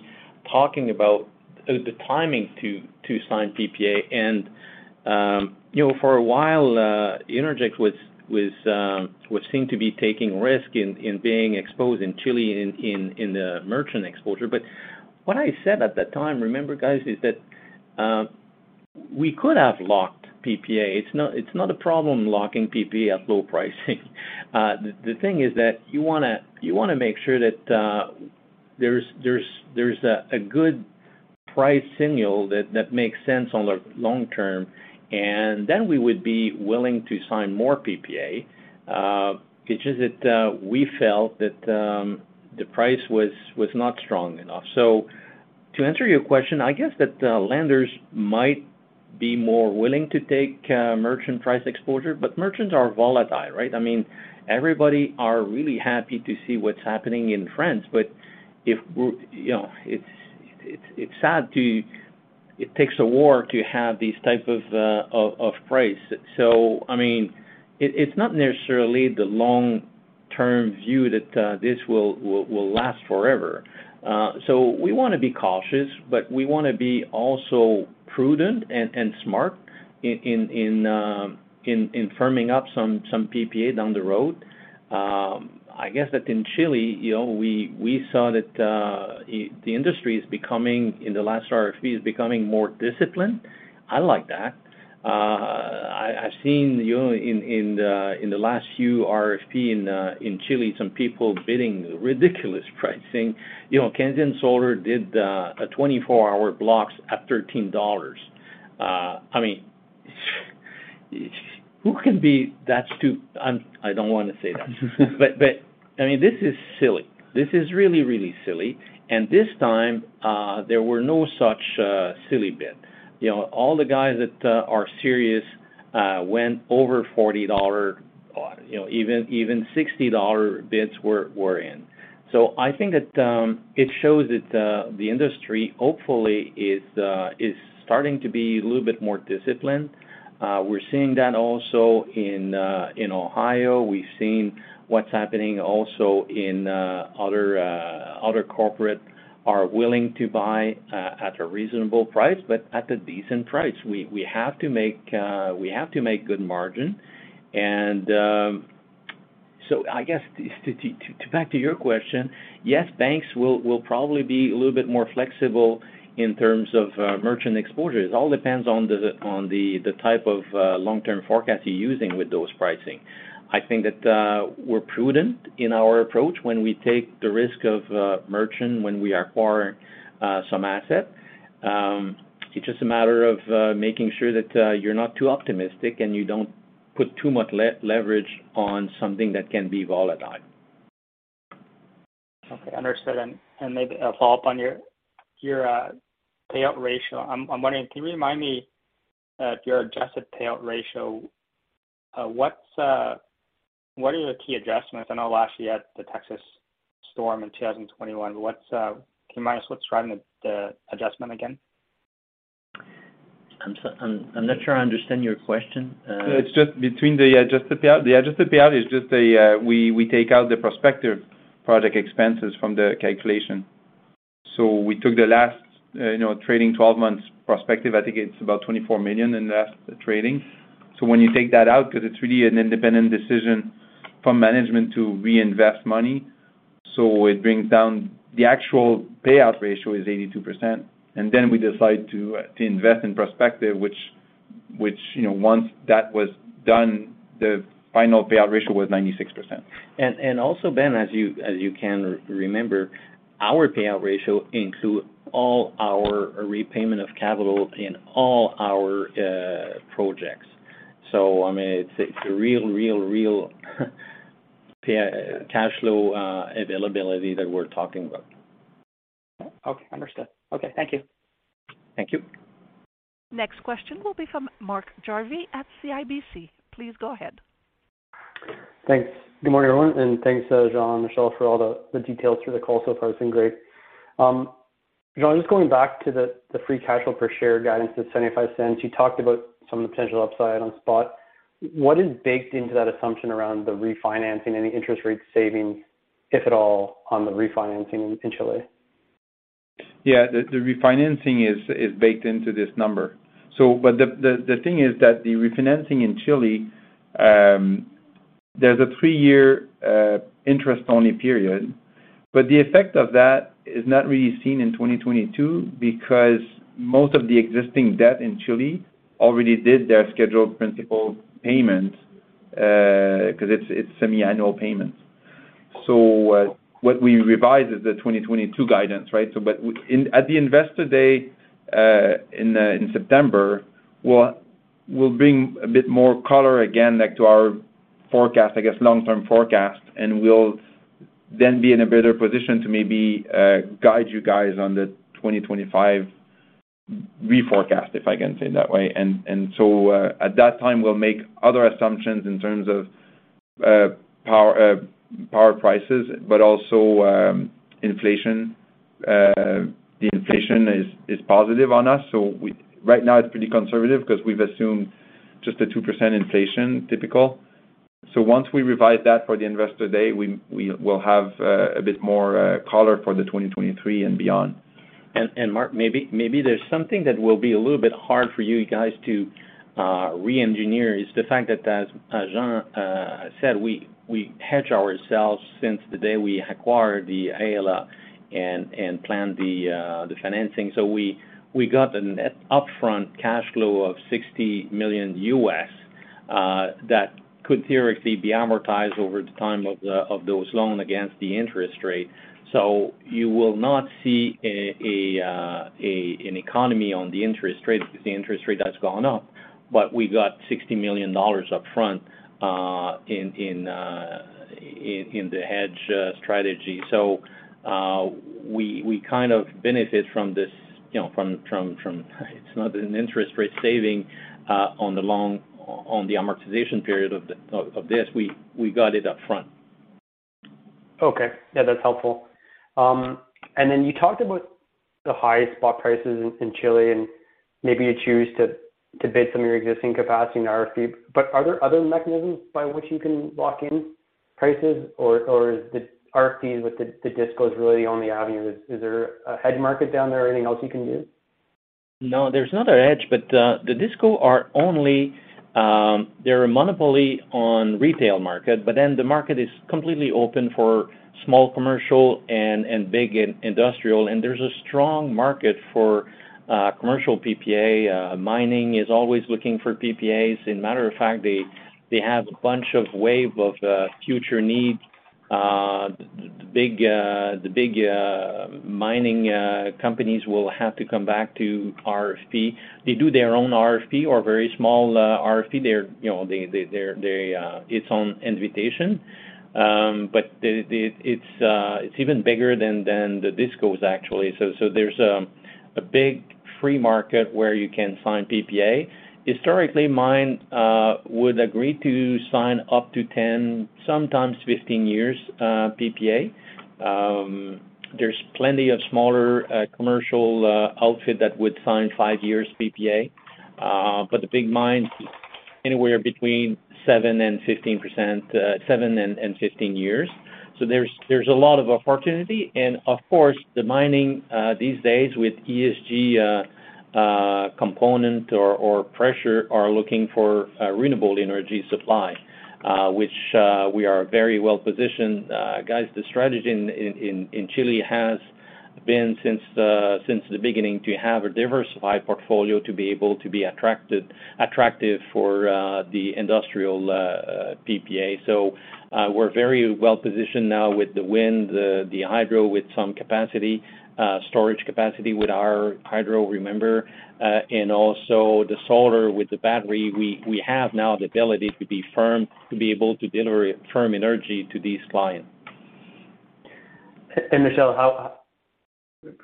talking about the timing to sign PPA. For a while, Innergex was seen to be taking risk in being exposed in Chile in the merchant exposure. What I said at that time, remember guys, is that we could have locked PPA. It's not a problem locking PPA at low pricing. The thing is that you wanna make sure that there's a good price signal that makes sense on the long term, and then we would be willing to sign more PPA. It's just that we felt that the price was not strong enough. To answer your question, I guess that the lenders might be more willing to take merchant price exposure, but merchants are volatile, right? I mean, everybody are really happy to see what's happening in France. But you know, it's sad it takes a war to have these type of price. I mean, it's not necessarily the long-term view that this will last forever. We wanna be cautious, but we wanna be also prudent and smart in firming up some PPA down the road. I guess that in Chile, you know, we saw that the industry is becoming, in the last RFP, more disciplined. I like that. I've seen, you know, in the last few RFP in Chile, some people bidding ridiculous pricing. You know, Canadian Solar did a 24-hour blocks at $13. I mean, I don't wanna say that. But I mean, this is silly. This is really silly. This time, there were no such silly bid. You know, all the guys that are serious went over $40, you know, even $60 bids were in. I think that it shows that the industry hopefully is starting to be a little bit more disciplined. We're seeing that also in Ohio. We've seen what's happening also in other corporates are willing to buy at a reasonable price, but at a decent price. We have to make good margin. I guess to back to your question, yes, banks will probably be a little bit more flexible in terms of merchant exposure. It all depends on the type of long-term forecast you're using with those pricing. I think that we're prudent in our approach when we take the risk of merchant, when we acquire some asset. It's just a matter of making sure that you're not too optimistic and you don't put too much leverage on something that can be volatile. Okay, understood. Maybe a follow-up on your payout ratio. I'm wondering, can you remind me your adjusted payout ratio? What are your key adjustments? I know last year you had the Texas storm in 2021. Can you remind me the adjustment again? I'm not sure I understand your question. No, it's just between the adjusted payout. The adjusted payout is just a. We take out the prospective project expenses from the calculation. We took the last trailing twelve months prospective. I think it's about 24 million in the last trailing. When you take that out, 'cause it's really an independent decision from management to reinvest money, so it brings down. The actual payout ratio is 82%. Then we decide to invest in prospective, which once that was done, the final payout ratio was 96%. And, also, Ben, as you can remember, our payout ratio include all our repayment of capital in all our projects. I mean, it's a real cash flow availability that we're talking about. Okay, understood. Okay, thank you. Thank you. Next question will be from Mark Jarvi at CIBC. Please go ahead. Thanks. Good morning, everyone, and thanks, Jean and Michel, for all the details through the call so far. It's been great. Jean, just going back to the free cash flow per share guidance of 0.75. You talked about some of the potential upside on spot. What is baked into that assumption around the refinancing, any interest rate saving, if at all, on the refinancing in Chile? Yeah. The refinancing is baked into this number. But the thing is that the refinancing in Chile, there's a three-year interest-only period. But the effect of that is not really seen in 2022 because most of the existing debt in Chile already did their scheduled principal payment, 'cause it's semi-annual payments. What we revised is the 2022 guidance, right? At the Investor Day in September, we'll bring a bit more color again, like, to our forecast, I guess long-term forecast, and we'll then be in a better position to maybe guide you guys on the 2025 forecast, if I can say it that way. At that time, we'll make other assumptions in terms of power prices, but also inflation. The inflation is positive on us. Right now it's pretty conservative because we've assumed just a 2% inflation typical. Once we revise that for the Investor Day, we will have a bit more color for the 2023 and beyond. Mark, maybe there's something that will be a little bit hard for you guys to re-engineer is the fact that as Jean said, we hedge ourselves since the day we acquired the Aela and planned the financing. We got the net upfront cash flow of $60 million that could theoretically be amortized over the time of those loans against the interest rate. You will not see an economy on the interest rate if the interest rate has gone up. But we got $60 million upfront in the hedge strategy. We kind of benefit from this, you know, from this. It's not an interest rate saving on the loan on the amortization period of this. We got it upfront. Okay. Yeah, that's helpful. You talked about the high spot prices in Chile, and maybe you choose to bid some of your existing capacity in RFP, but are there other mechanisms by which you can lock in prices or is the RFP with the DisCos really the only avenue? Is there a hedge market down there or anything else you can do? No, there's not a hedge, but the DisCos are only a monopoly on the retail market, but then the market is completely open for small commercial and big industrial, and there's a strong market for commercial PPAs. Mining is always looking for PPAs. As a matter of fact, they have a bunch of waves of future needs. The big mining companies will have to come back to RFPs. They do their own RFPs or very small RFPs. They're on invitation. But it's even bigger than the DisCos actually. There's a big free market where you can sign PPAs. Historically, mines would agree to sign up to 10, sometimes 15 years PPAs. There's plenty of smaller commercial outfit that would sign five years PPA. The big mines, anywhere between 7% and 15%, seven and 15 years. There's a lot of opportunity. Of course, the mining these days with ESG component or pressure are looking for renewable energy supply, which we are very well positioned. Guys, the strategy in Chile has been since the beginning to have a diversified portfolio to be able to be attractive for the industrial PPA. We're very well positioned now with the wind, the hydro with some storage capacity with our hydro, remember, and also the solar with the battery. We have now the ability to be firm, to be able to deliver firm energy to these clients. Michel, how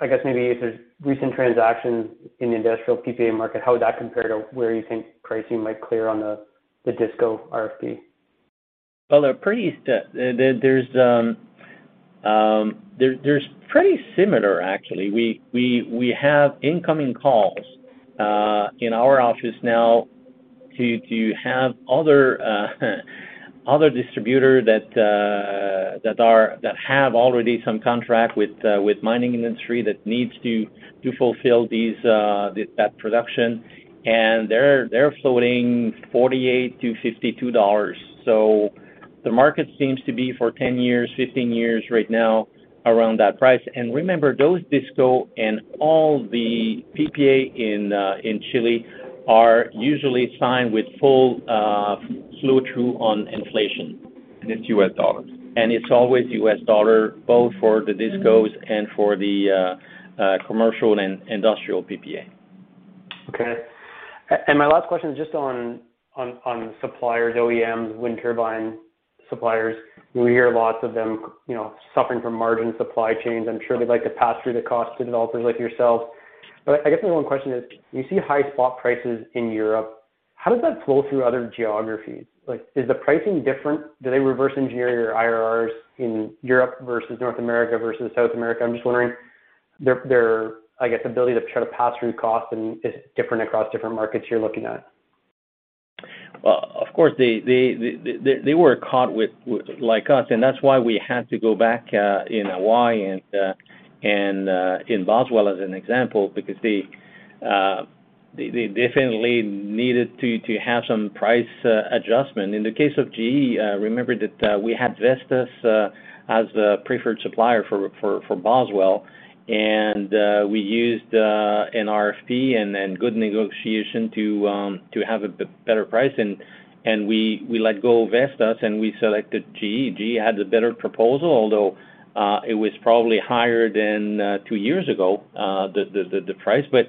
I guess maybe if there's recent transactions in the industrial PPA market, how would that compare to where you think pricing might clear on the DisCos RFP? Well, they're pretty similar actually. We have incoming calls in our office now to have other distributors that have already some contracts with mining industry that needs to fulfill that production. They're floating $48-$52. The market seems to be for 10 years, 15 years right now around that price. Remember, those DisCos and all the PPAs in Chile are usually signed with full flow-through on inflation. It's U.S. dollars. It's always U.S. dollar, both for the DisCos and for the commercial and industrial PPA. Okay. My last question is just on suppliers, OEMs, wind turbine suppliers. We hear lots of them, you know, suffering from margin supply chains. I'm sure they'd like to pass through the cost to developers like yourselves. I guess my one question is, you see high spot prices in Europe. How does that flow through other geographies? Like, is the pricing different? Do they reverse engineer your IRRs in Europe versus North America versus South America? I'm just wondering their ability to try to pass through costs and if it's different across different markets you're looking at. Well, of course they were caught with, like us, and that's why we had to go back in Hawaii and in Boswell as an example because they definitely needed to have some price adjustment. In the case of GE, remember that we had Vestas as the preferred supplier for Boswell. We used an RFP and then good negotiation to have a better price. We let go of Vestas, and we selected GE. GE had the better proposal, although it was probably higher than two years ago, the price, but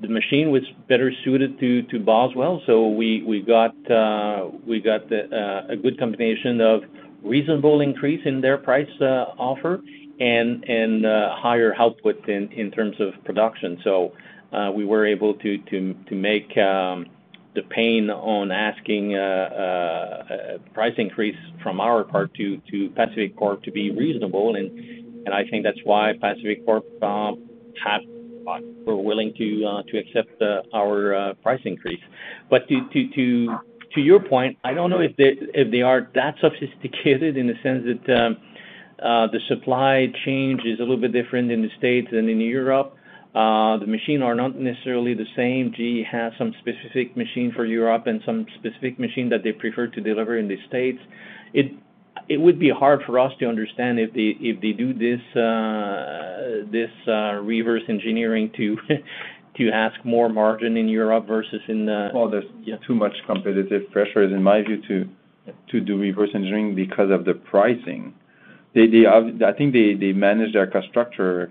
the machine was better suited to Boswell. We got a good combination of reasonable increase in their price offer and higher output in terms of production. We were able to make the pain of asking a price increase from our part to PacifiCorp to be reasonable, and I think that's why PacifiCorp were willing to accept our price increase. To your point, I don't know if they are that sophisticated in the sense that the supply chain is a little bit different in the States than in Europe. The machines are not necessarily the same. GE has some specific machines for Europe and some specific machines that they prefer to deliver in the States. It would be hard for us to understand if they do this reverse engineering to ask more margin in Europe versus in the- Well, Yeah. Too much competitive pressure in my view to do reverse engineering because of the pricing. I think they manage their cost structure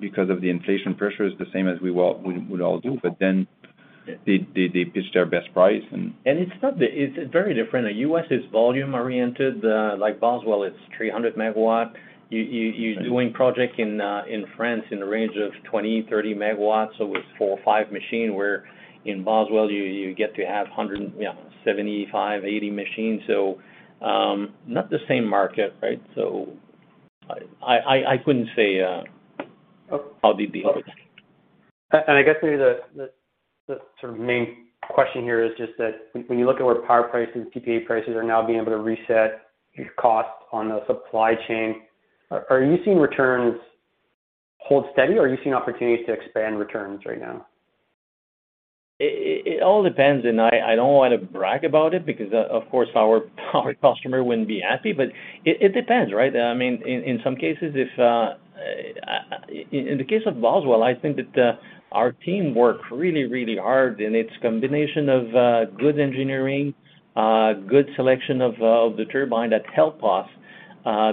because of the inflation pressures the same as we would all do. They pitch their best price and It's not that. It's very different. U.S. is volume-oriented. Like Boswell, it's 300 MW. You're doing projects in France in the range of 20, 30 MW, so it's four or five machines. Where in Boswell, you get to have 100, yeah, 75, 80 machines. Not the same market, right? I couldn't say how they beat us. Okay. I guess maybe the sort of main question here is just that when you look at where power prices, PPA prices are now being able to reset your costs on the supply chain, are you seeing returns hold steady, or are you seeing opportunities to expand returns right now? It all depends, and I don't want to brag about it because, of course, our customer wouldn't be happy, but it depends, right? I mean, in some cases. In the case of Boswell, I think that our team worked really hard, and it's combination of good engineering, good selection of the turbine that help us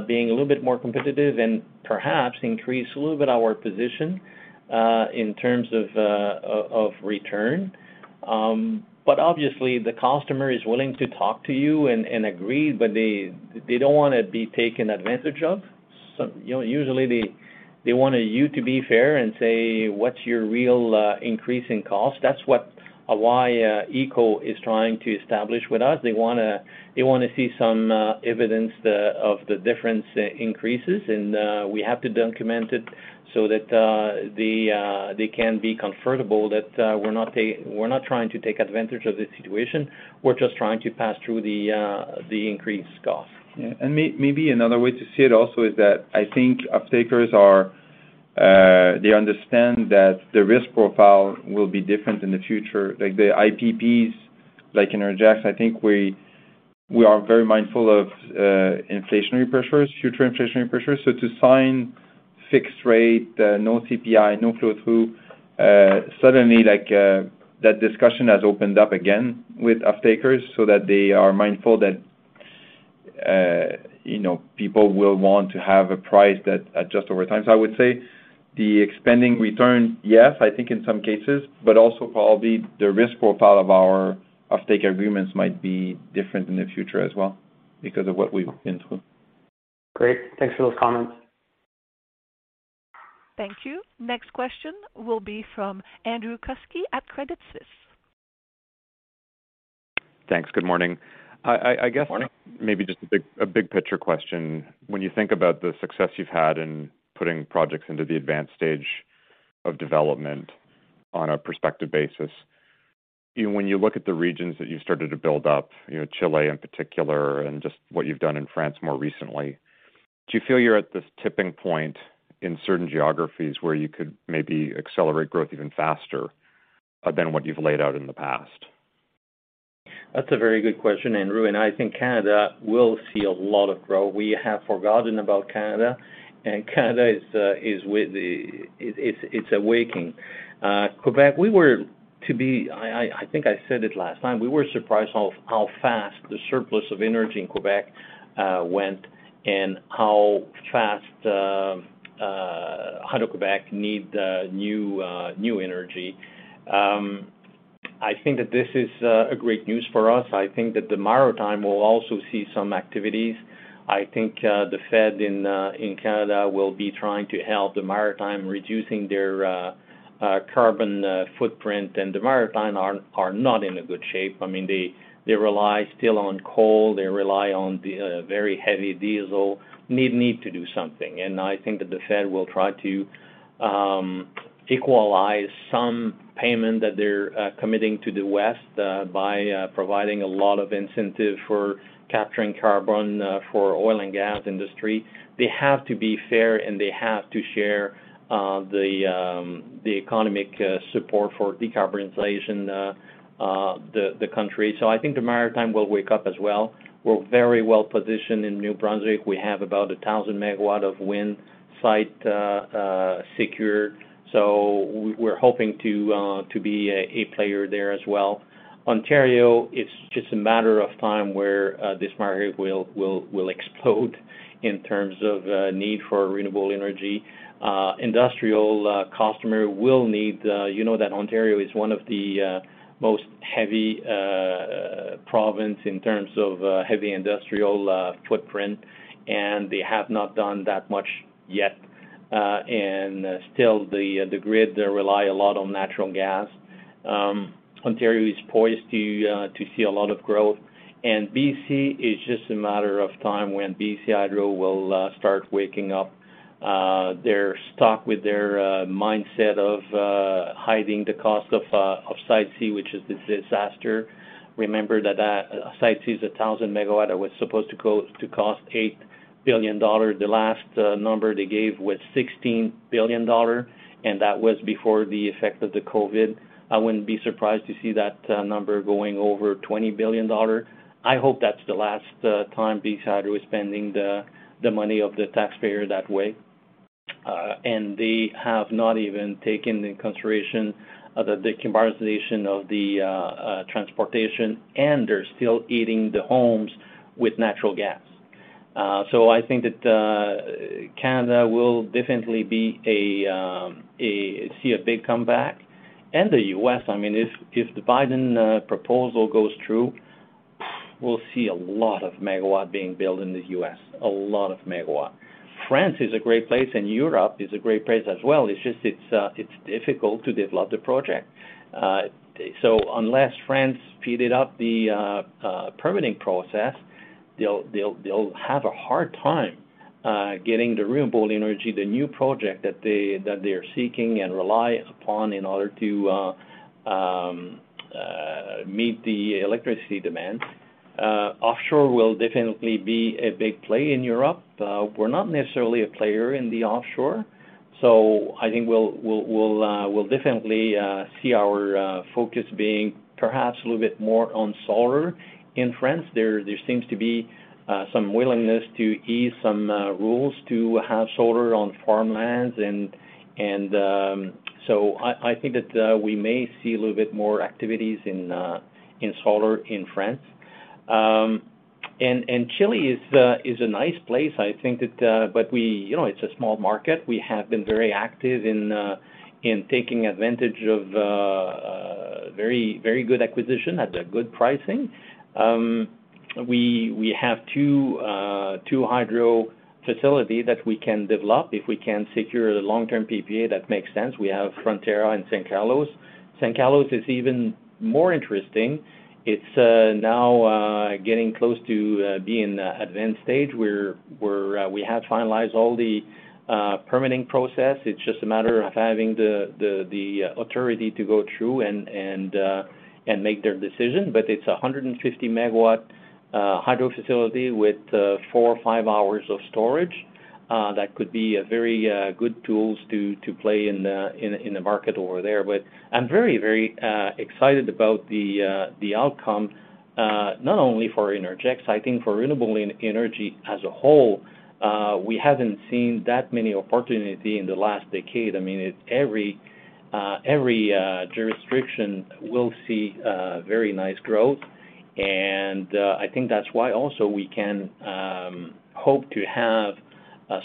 being a little bit more competitive and perhaps increase a little bit our position in terms of return. But obviously the customer is willing to talk to you and agree, but they don't wanna be taken advantage of. So, you know, usually they want you to be fair and say, "What's your real increase in cost?" That's what HECO is trying to establish with us. They wanna see some evidence of the difference increases, and we have to document it so that they can be comfortable that we're not trying to take advantage of the situation. We're just trying to pass through the increased cost. Yeah. Maybe another way to see it also is that I think off-takers are, they understand that the risk profile will be different in the future. Like the IPPs, like Innergex, I think we are very mindful of inflationary pressures, future inflationary pressures. To sign fixed rate, no CPI, no flow-through, suddenly like, that discussion has opened up again with off-takers so that they are mindful that, you know, people will want to have a price that adjusts over time. I would say the expanding return, yes, I think in some cases, but also probably the risk profile of our off-take agreements might be different in the future as well because of what we've been through. Great. Thanks for those comments. Thank you. Next question will be from Andrew Kuske at Credit Suisse. Thanks. Good morning. I guess. Good morning. Maybe just a big picture question. When you think about the success you've had in putting projects into the advanced stage of development on a prospective basis, when you look at the regions that you started to build up, you know, Chile in particular, and just what you've done in France more recently, do you feel you're at this tipping point in certain geographies where you could maybe accelerate growth even faster than what you've laid out in the past? That's a very good question, Andrew, and I think Canada will see a lot of growth. We have forgotten about Canada, and Canada is awakening. Québec, I think I said it last time, we were surprised how fast the surplus of energy in Québec went and how fast Hydro-Québec needs new energy. I think that this is great news for us. I think that the Maritimes will also see some activities. I think the Fed in Canada will be trying to help the Maritimes reducing their carbon footprint. The Maritimes are not in good shape. I mean, they rely still on coal. They rely on very heavy diesel. They need to do something. I think that the Fed will try to equalize some payment that they're committing to the West by providing a lot of incentive for capturing carbon for oil and gas industry. They have to be fair, and they have to share the economic support for decarbonization the country. I think the Maritime will wake up as well. We're very well-positioned in New Brunswick. We have about 1,000 MW of wind site secured. We're hoping to be a player there as well. Ontario, it's just a matter of time where this market will explode in terms of need for renewable energy. Industrial customer will need You know that Ontario is one of the most heavily industrialized provinces in terms of heavy industrial footprint, and they have not done that much yet. Still the grid there relies a lot on natural gas. Ontario is poised to see a lot of growth. BC is just a matter of time when BC Hydro will start waking up to the shock with their mindset of hiding the cost of Site C, which is the disaster. Remember that Site C is 1,000 MW. It was supposed to cost 8 billion dollars. The last number they gave was 16 billion dollars, and that was before the effect of the COVID. I wouldn't be surprised to see that number going over 20 billion dollar. I hope that's the last time BC Hydro is spending the money of the taxpayer that way. They have not even taken into consideration the decarbonization of the transportation, and they're still heating the homes with natural gas. So, I think that Canada will definitely see a big comeback. The U.S., I mean, if the Biden proposal goes through, we'll see a lot of megawatt being built in the U.S., a lot of megawatt. France is a great place, and Europe is a great place as well. It's just it's difficult to develop the project. Unless France sped up the permitting process, they'll have a hard time getting the renewable energy, the new project that they are seeking and rely upon in order to meet the electricity demand. Offshore will definitely be a big play in Europe. We're not necessarily a player in the offshore, so I think we'll definitely see our focus being perhaps a little bit more on solar in France. There seems to be some willingness to ease some rules to have solar on farmlands. I think that we may see a little bit more activities in solar in France. Chile is a nice place. You know, it's a small market. We have been very active in taking advantage of very good acquisition at a good pricing. We have two hydro facility that we can develop if we can secure a long-term PPA that makes sense. We have Frontera and San Carlos. San Carlos is even more interesting. It's now getting close to being advanced stage, where we have finalized all the permitting process. It's just a matter of having the authority to go through and make their decision. It's 150 MW hydro facility with four or five hours of storage. That could be a very good tool to play in the market over there. I'm very excited about the outcome, not only for Innergex, I think for renewable energy as a whole. We haven't seen that many opportunities in the last decade. I mean, it's every jurisdiction will see very nice growth. I think that's why also we can hope to have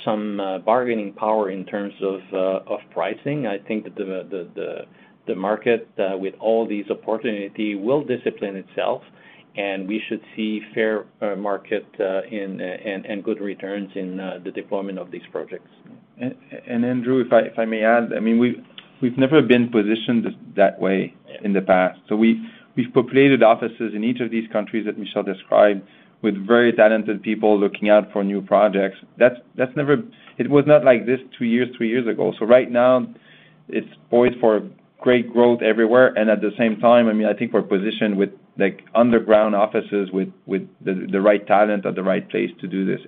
some bargaining power in terms of pricing. I think that the market with all these opportunities will discipline itself, and we should see fair market and good returns in the deployment of these projects. Andrew, if I may add, I mean, we've never been positioned that way in the past. We've populated offices in each of these countries that Michel described with very talented people looking out for new projects. That's never. It was not like this two years, three years ago. Right now, it's poised for great growth everywhere. At the same time, I mean, I think we're positioned with like in-country offices with the right talent at the right place to do this.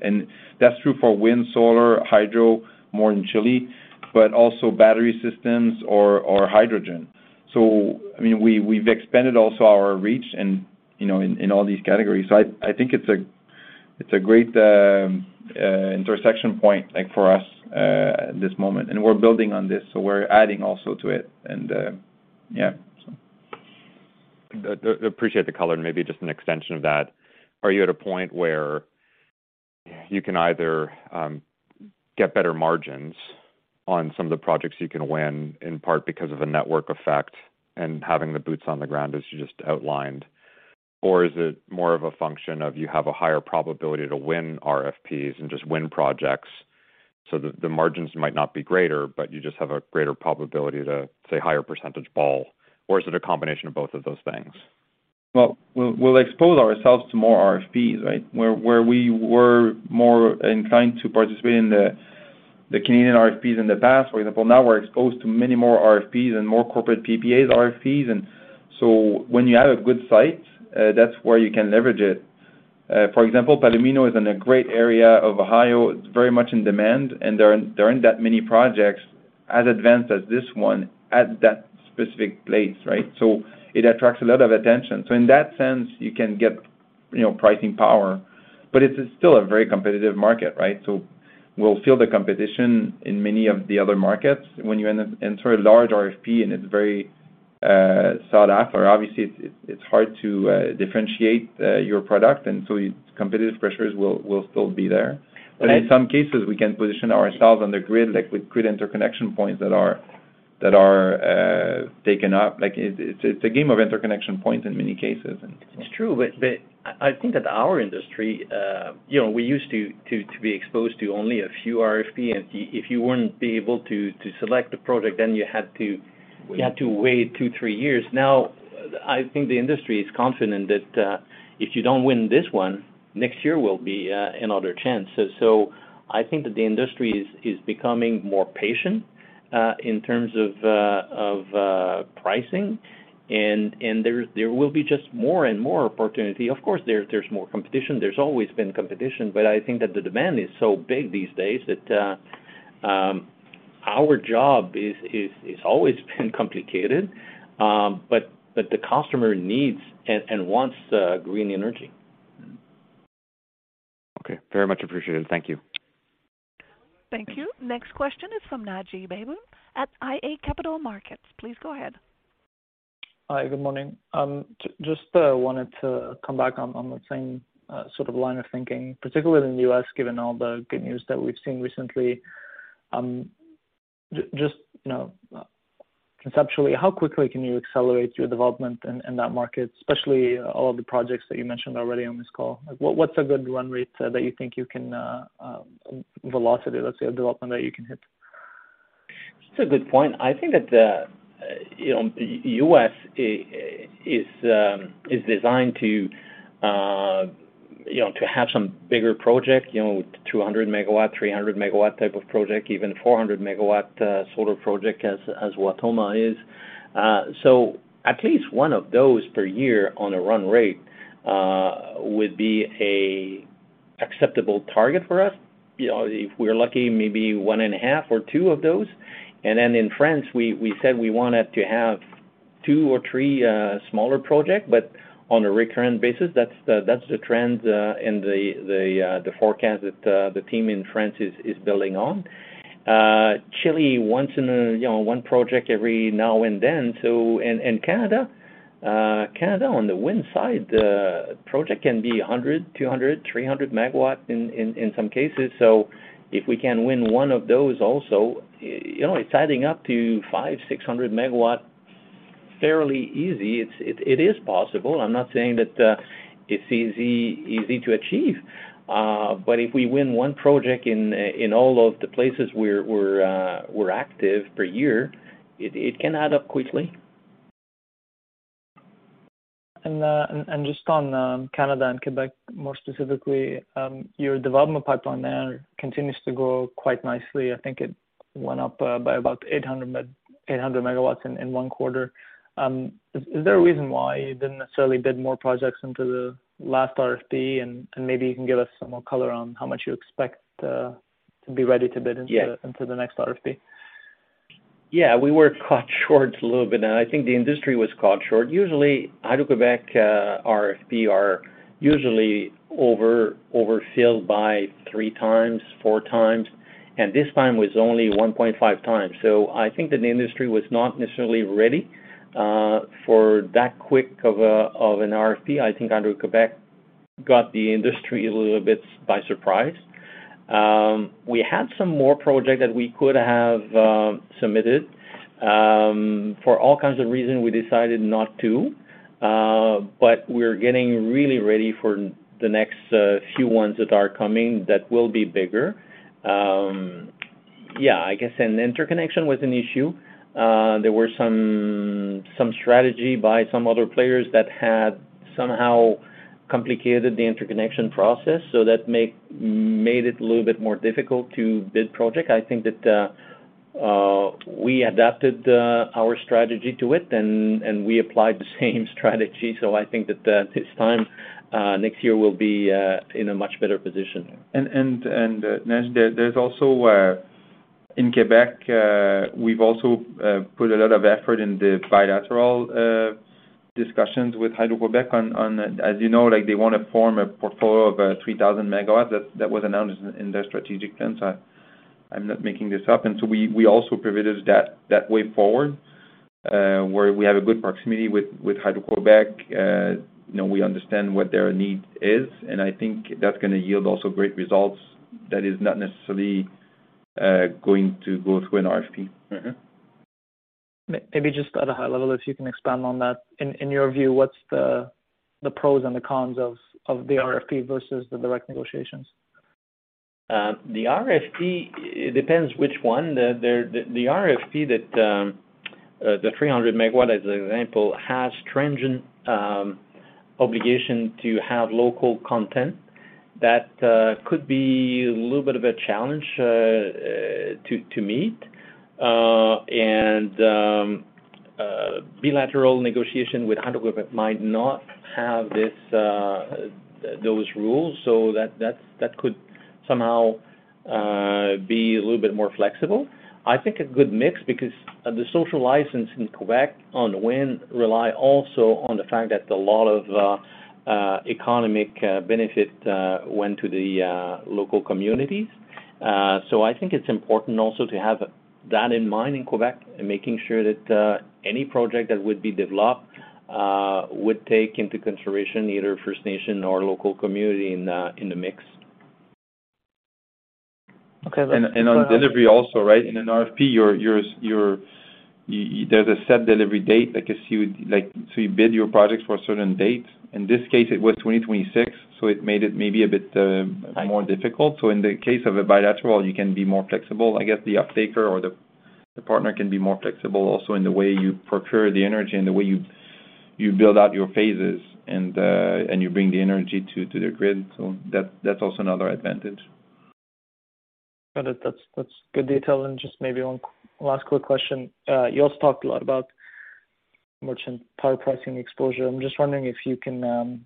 That's true for wind, solar, hydro, more in Chile, but also battery systems or hydrogen. I mean, we've expanded also our reach in you know in all these categories. I think it's a great intersection point like for us at this moment. We're building on this, so we're adding also to it. Yeah, so. Appreciate the color, and maybe just an extension of that. Are you at a point where you can either get better margins on some of the projects you can win, in part because of the network effect and having the boots on the ground as you just outlined, or is it more of a function of you have a higher probability to win RFPs and just win projects so that the margins might not be greater, but you just have a greater probability to, say, higher percentage ball, or is it a combination of both of those things? Well, we'll expose ourselves to more RFPs, right? Where we were more inclined to participate in the Canadian RFPs in the past, for example, now we're exposed to many more RFPs and more corporate PPAs RFPs. When you have a good site, that's where you can leverage it. For example, Palomino is in a great area of Ohio. It's very much in demand, and there aren't that many projects as advanced as this one at that specific place, right? In that sense, you can get, you know, pricing power, but it's still a very competitive market, right? We'll feel the competition in many of the other markets. When you enter a large RFP, and it's very sought after, obviously it's hard to differentiate your product, and so competitive pressures will still be there. In some cases, we can position ourselves on the grid, like with grid interconnection points that are taken up. Like it's a game of interconnection points in many cases. It's true. I think that our industry, you know, we used to be exposed to only a few RFP. If you wouldn't be able to select the project, then you had to. Wait You had to wait two, three years. Now, I think the industry is confident that if you don't win this one, next year will be another chance. I think that the industry is becoming more patient in terms of pricing. There will be just more and more opportunity. Of course, there's more competition. There's always been competition, but I think that the demand is so big these days that our job is always been complicated, but the customer needs and wants green energy. Okay. Very much appreciated. Thank you. Thank you. Next question is from Naji Baydoun at iA Capital Markets. Please go ahead. Hi, good morning. Just wanted to come back on the same sort of line of thinking, particularly in the U.S., given all the good news that we've seen recently. Just, you know, conceptually, how quickly can you accelerate your development in that market, especially all of the projects that you mentioned already on this call? Like, what's a good run rate that you think you can velocity, let's say, of development that you can hit? It's a good point. I think that the U.S. is designed to have some bigger project, you know, 200 MW, 300 MW type of project, even 400 MW solar project as Wautoma is. So at least one of those per year on a run rate would be an acceptable target for us. You know, if we're lucky, maybe one and a half or two of those. Then in France, we said we wanted to have two or three smaller project, but on a recurrent basis. That's the trend in the forecast that the team in France is building on. Chile once in a, you know, one project every now and then. Canada on the wind side, project can be 100, 200, 300 MW in some cases. If we can win one of those also, you know, it's adding up to 500, 600 MW fairly easy. It is possible. I'm not saying that it's easy to achieve, but if we win one project in all of the places we're active per year, it can add up quickly. Just on Canada and Quebec, more specifically, your development pipeline there continues to grow quite nicely. I think it went up by about 800 MW in one quarter. Is there a reason why you didn't necessarily bid more projects into the last RFP? Maybe you can give us some more color on how much you expect to be ready to bid into Yeah into the next RFP? Yeah, we were caught short a little bit, and I think the industry was caught short. Usually, Hydro-Québec RFP are usually overfilled by 3 times, 4 times, and this time was only 1.5 times. I think that the industry was not necessarily ready for that quick of an RFP. I think Hydro-Québec got the industry a little bit by surprise. We had some more project that we could have submitted. For all kinds of reason, we decided not to. We're getting really ready for the next few ones that are coming that will be bigger. Interconnection was an issue. There were some strategy by some other players that had somehow complicated the interconnection process, so that made it a little bit more difficult to bid project. I think that we adapted our strategy to it and we applied the same strategy. I think that this time next year we'll be in a much better position. Naji, there's also in Québec we've also put a lot of effort in the bilateral discussions with Hydro-Québec on. As you know, like, they wanna form a portfolio of 3,000 MW that was announced in their strategic plan, so I'm not making this up. We also pivoted that way forward where we have a good proximity with Hydro-Québec. You know, we understand what their need is, and I think that's gonna yield also great results that is not necessarily going to go through an RFP. Mm-hmm. Maybe just at a high level, if you can expand on that. In your view, what's the pros and the cons of the RFP versus the direct negotiations? The RFP, it depends which one. The RFP that the 300 MW, as an example, has stringent obligation to have local content. That could be a little bit of a challenge to meet. Bilateral negotiation with Hydro-Québec might not have this, those rules, so that could somehow be a little bit more flexible. I think a good mix because the social license in Quebec on wind rely also on the fact that a lot of economic benefit went to the local communities. I think it's important also to have that in mind in Quebec and making sure that any project that would be developed would take into consideration either First Nation or local community in the mix. Okay. On delivery also, right? In an RFP, there's a set delivery date, I guess you would like. You bid your projects for a certain date. In this case, it was 2026, so it made it maybe a bit more difficult. In the case of a bilateral, you can be more flexible. I guess the off-taker or the partner can be more flexible also in the way you procure the energy and the way you build out your phases and you bring the energy to the grid. That, that's also another advantage. Got it. That's good detail. Just maybe one last quick question. You also talked a lot about merchant power pricing exposure. I'm just wondering if you can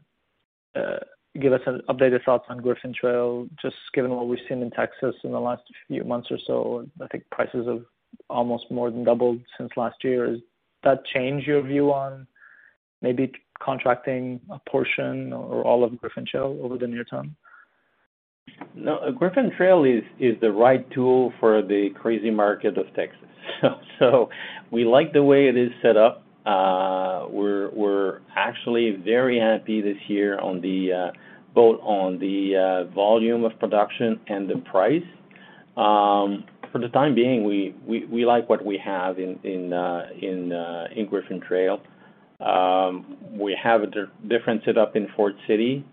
give us an updated thoughts on Griffin Trail, just given what we've seen in Texas in the last few months or so. I think prices have almost more than doubled since last year. Does that change your view on maybe contracting a portion or all of Griffin Trail over the near term? No, Griffin Trail is the right tool for the crazy market of Texas. We like the way it is set up. We're actually very happy this year on both the volume of production and the price. For the time being, we like what we have in Griffin Trail. We have a different setup in Foard City,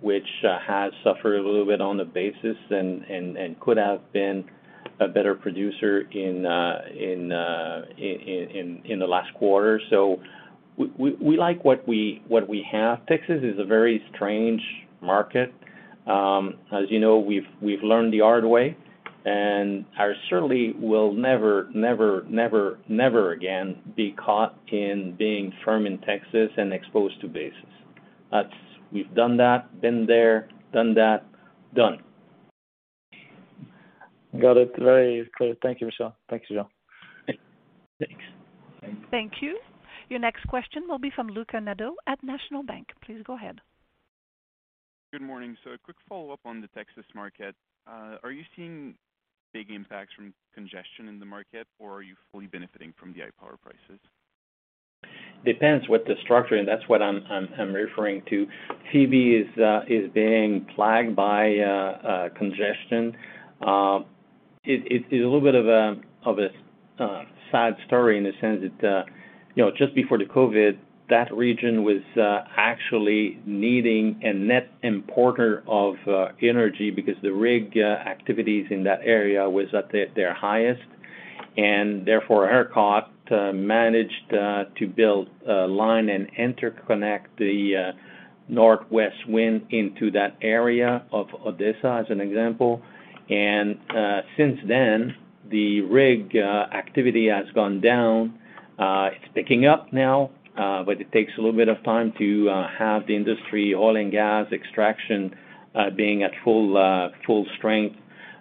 which has suffered a little bit on the basis and could have been a better producer in the last quarter. We like what we have. Texas is a very strange market. As you know, we've learned the hard way, and I certainly will never again be caught in being firm in Texas and exposed to basis. That's. We've done that, been there, done that. Got it. Very clear. Thank you, Michel. Thank you, Jean. Thanks. Thank you. Thank you. Your next question will be from Luca Nada at National Bank. Please go ahead. Good morning. A quick follow-up on the Texas market. Are you seeing big impacts from congestion in the market, or are you fully benefiting from the high power prices? depends what the structure, and that's what I'm referring to. PB is being plagued by congestion. It's a little bit of a sad story in the sense that, you know, just before the COVID, that region was actually needing a net importer of energy because the rig activities in that area was at their highest. Therefore, ERCOT managed to build a line and interconnect the northwest wind into that area of Odessa, as an example. Since then, the rig activity has gone down. It's picking up now, but it takes a little bit of time to have the industry oil and gas extraction being at full strength.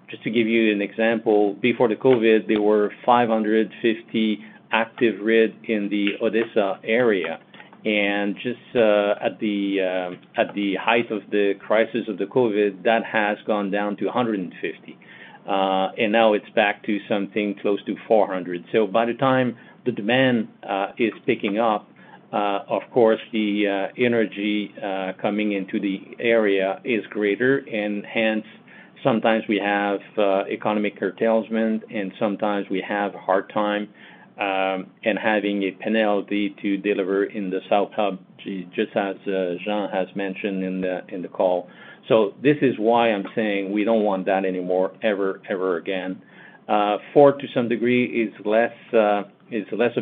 Just to give you an example, before the COVID, there were 550 active rigs in the Odessa area. At the height of the crisis of the COVID, that has gone down to 150. Now it's back to something close to 400. By the time the demand is picking up, of course, the energy coming into the area is greater. Hence, sometimes we have economic curtailment, and sometimes we have a hard time in having ability to deliver in the South Hub, just as Jean has mentioned in the call. This is why I'm saying we don't want that anymore, ever again. ERCOT, to some degree, is less of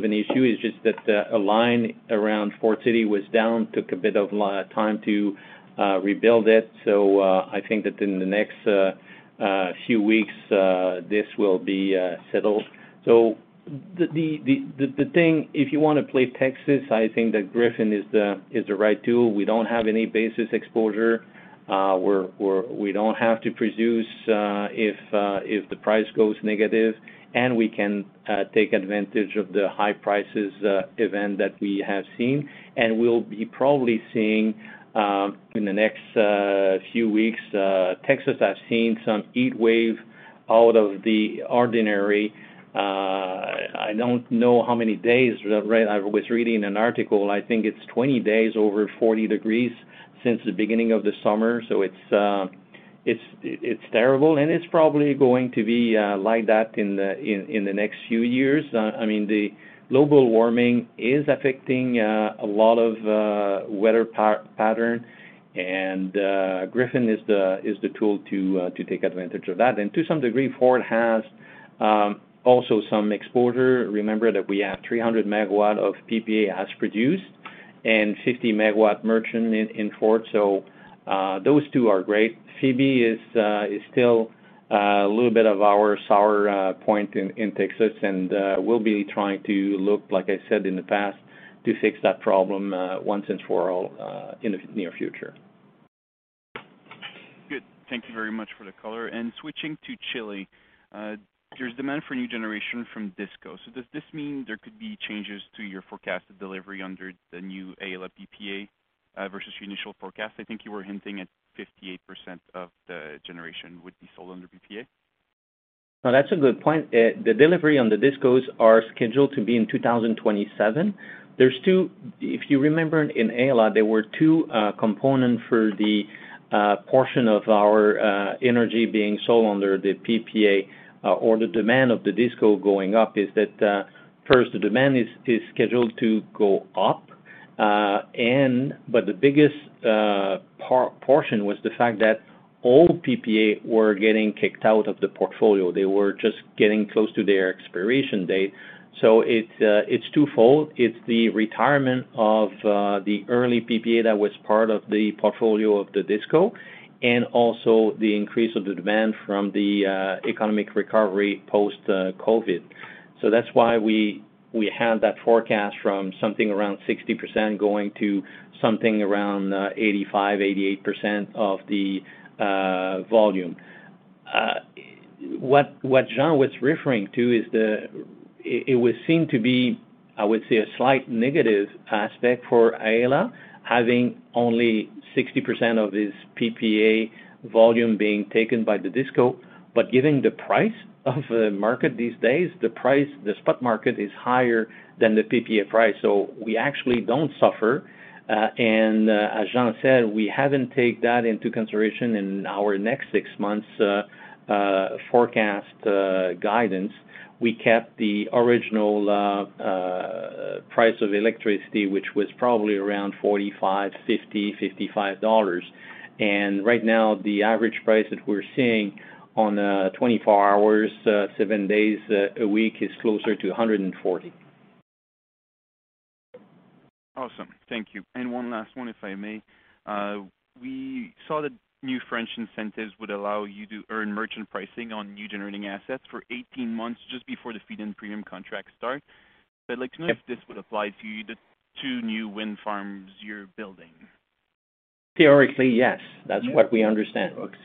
an issue. It's just that a line around Foard City was down. It took a bit of time to rebuild it. I think that in the next few weeks this will be settled. The thing, if you want to play Texas, I think that Griffin is the right tool. We don't have any basis exposure. We don't have to produce if the price goes negative, and we can take advantage of the high-price event that we have seen. We'll be probably seeing in the next few weeks. Texas has seen some heat wave out of the ordinary. I don't know how many days. I was reading an article. I think it's 20 days over 40 degrees since the beginning of the summer. It's terrible, and it's probably going to be like that in the next few years. I mean, the global warming is affecting a lot of weather patterns, and Griffin is the tool to take advantage of that. To some degree, Foard has also some exposure. Remember that we have 300 MW of PPA as produced and 50 MW merchant in Foard. Those two are great. CB is still a little bit of our sore point in Texas. We'll be looking to fix that problem, like I said in the past, once and for all in the near future. Good. Thank you very much for the color. Switching to Chile, there's demand for new generation from DisCos. Does this mean there could be changes to your forecasted delivery under the new Aela PPA versus your initial forecast? I think you were hinting at 58% of the generation would be sold under PPA. No, that's a good point. The delivery on the DisCos are scheduled to be in 2027. If you remember in Aela, there were two components for the portion of our energy being sold under the PPA or the demand of the DisCos going up is that first, the demand is scheduled to go up. But the biggest portion was the fact that all PPAs were getting kicked out of the portfolio. They were just getting close to their expiration date. It's twofold. It's the retirement of the early PPAs that was part of the portfolio of the DisCo and also the increase of the demand from the economic recovery post COVID. That's why we had that forecast from something around 60% going to something around 85, 88% of the volume. What Jean was referring to is that it would seem to be, I would say, a slight negative aspect for Aela, having only 60% of its PPA volume being taken by the DisCo. Given the price of the market these days, the price, the spot market is higher than the PPA price, so we actually don't suffer. As Jean said, we haven't taken that into consideration in our next six months forecast guidance. We kept the original price of electricity, which was probably around $45, $50, $55. Right now, the average price that we're seeing on 24 hours, seven days a week is closer to $140. Awesome. Thank you. One last one, if I may. We saw that new French incentives would allow you to earn merchant pricing on new generating assets for 18 months just before the feed-in premium contract start. I'd like to know if this would apply to you, the two new wind farms you're building. Theoretically, yes. That's what we understand. Okay.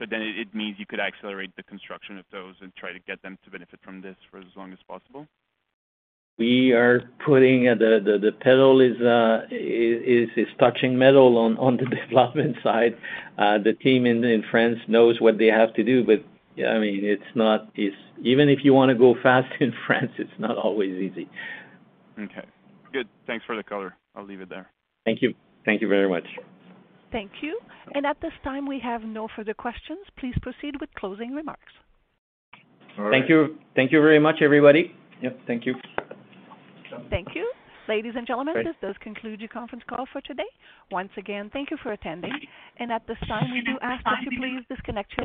It means you could accelerate the construction of those and try to get them to benefit from this for as long as possible? We are putting the pedal to the metal on the development side. The team in France knows what they have to do, but I mean, it's not even if you wanna go fast in France, it's not always easy. Okay. Good. Thanks for the color. I'll leave it there. Thank you. Thank you very much. Thank you. At this time, we have no further questions. Please proceed with closing remarks. All right. Thank you. Thank you very much, everybody. Yep. Thank you. Thank you. Ladies and gentlemen, this does conclude your conference call for today. Once again, thank you for attending. At this time, we do ask that you please disconnect your-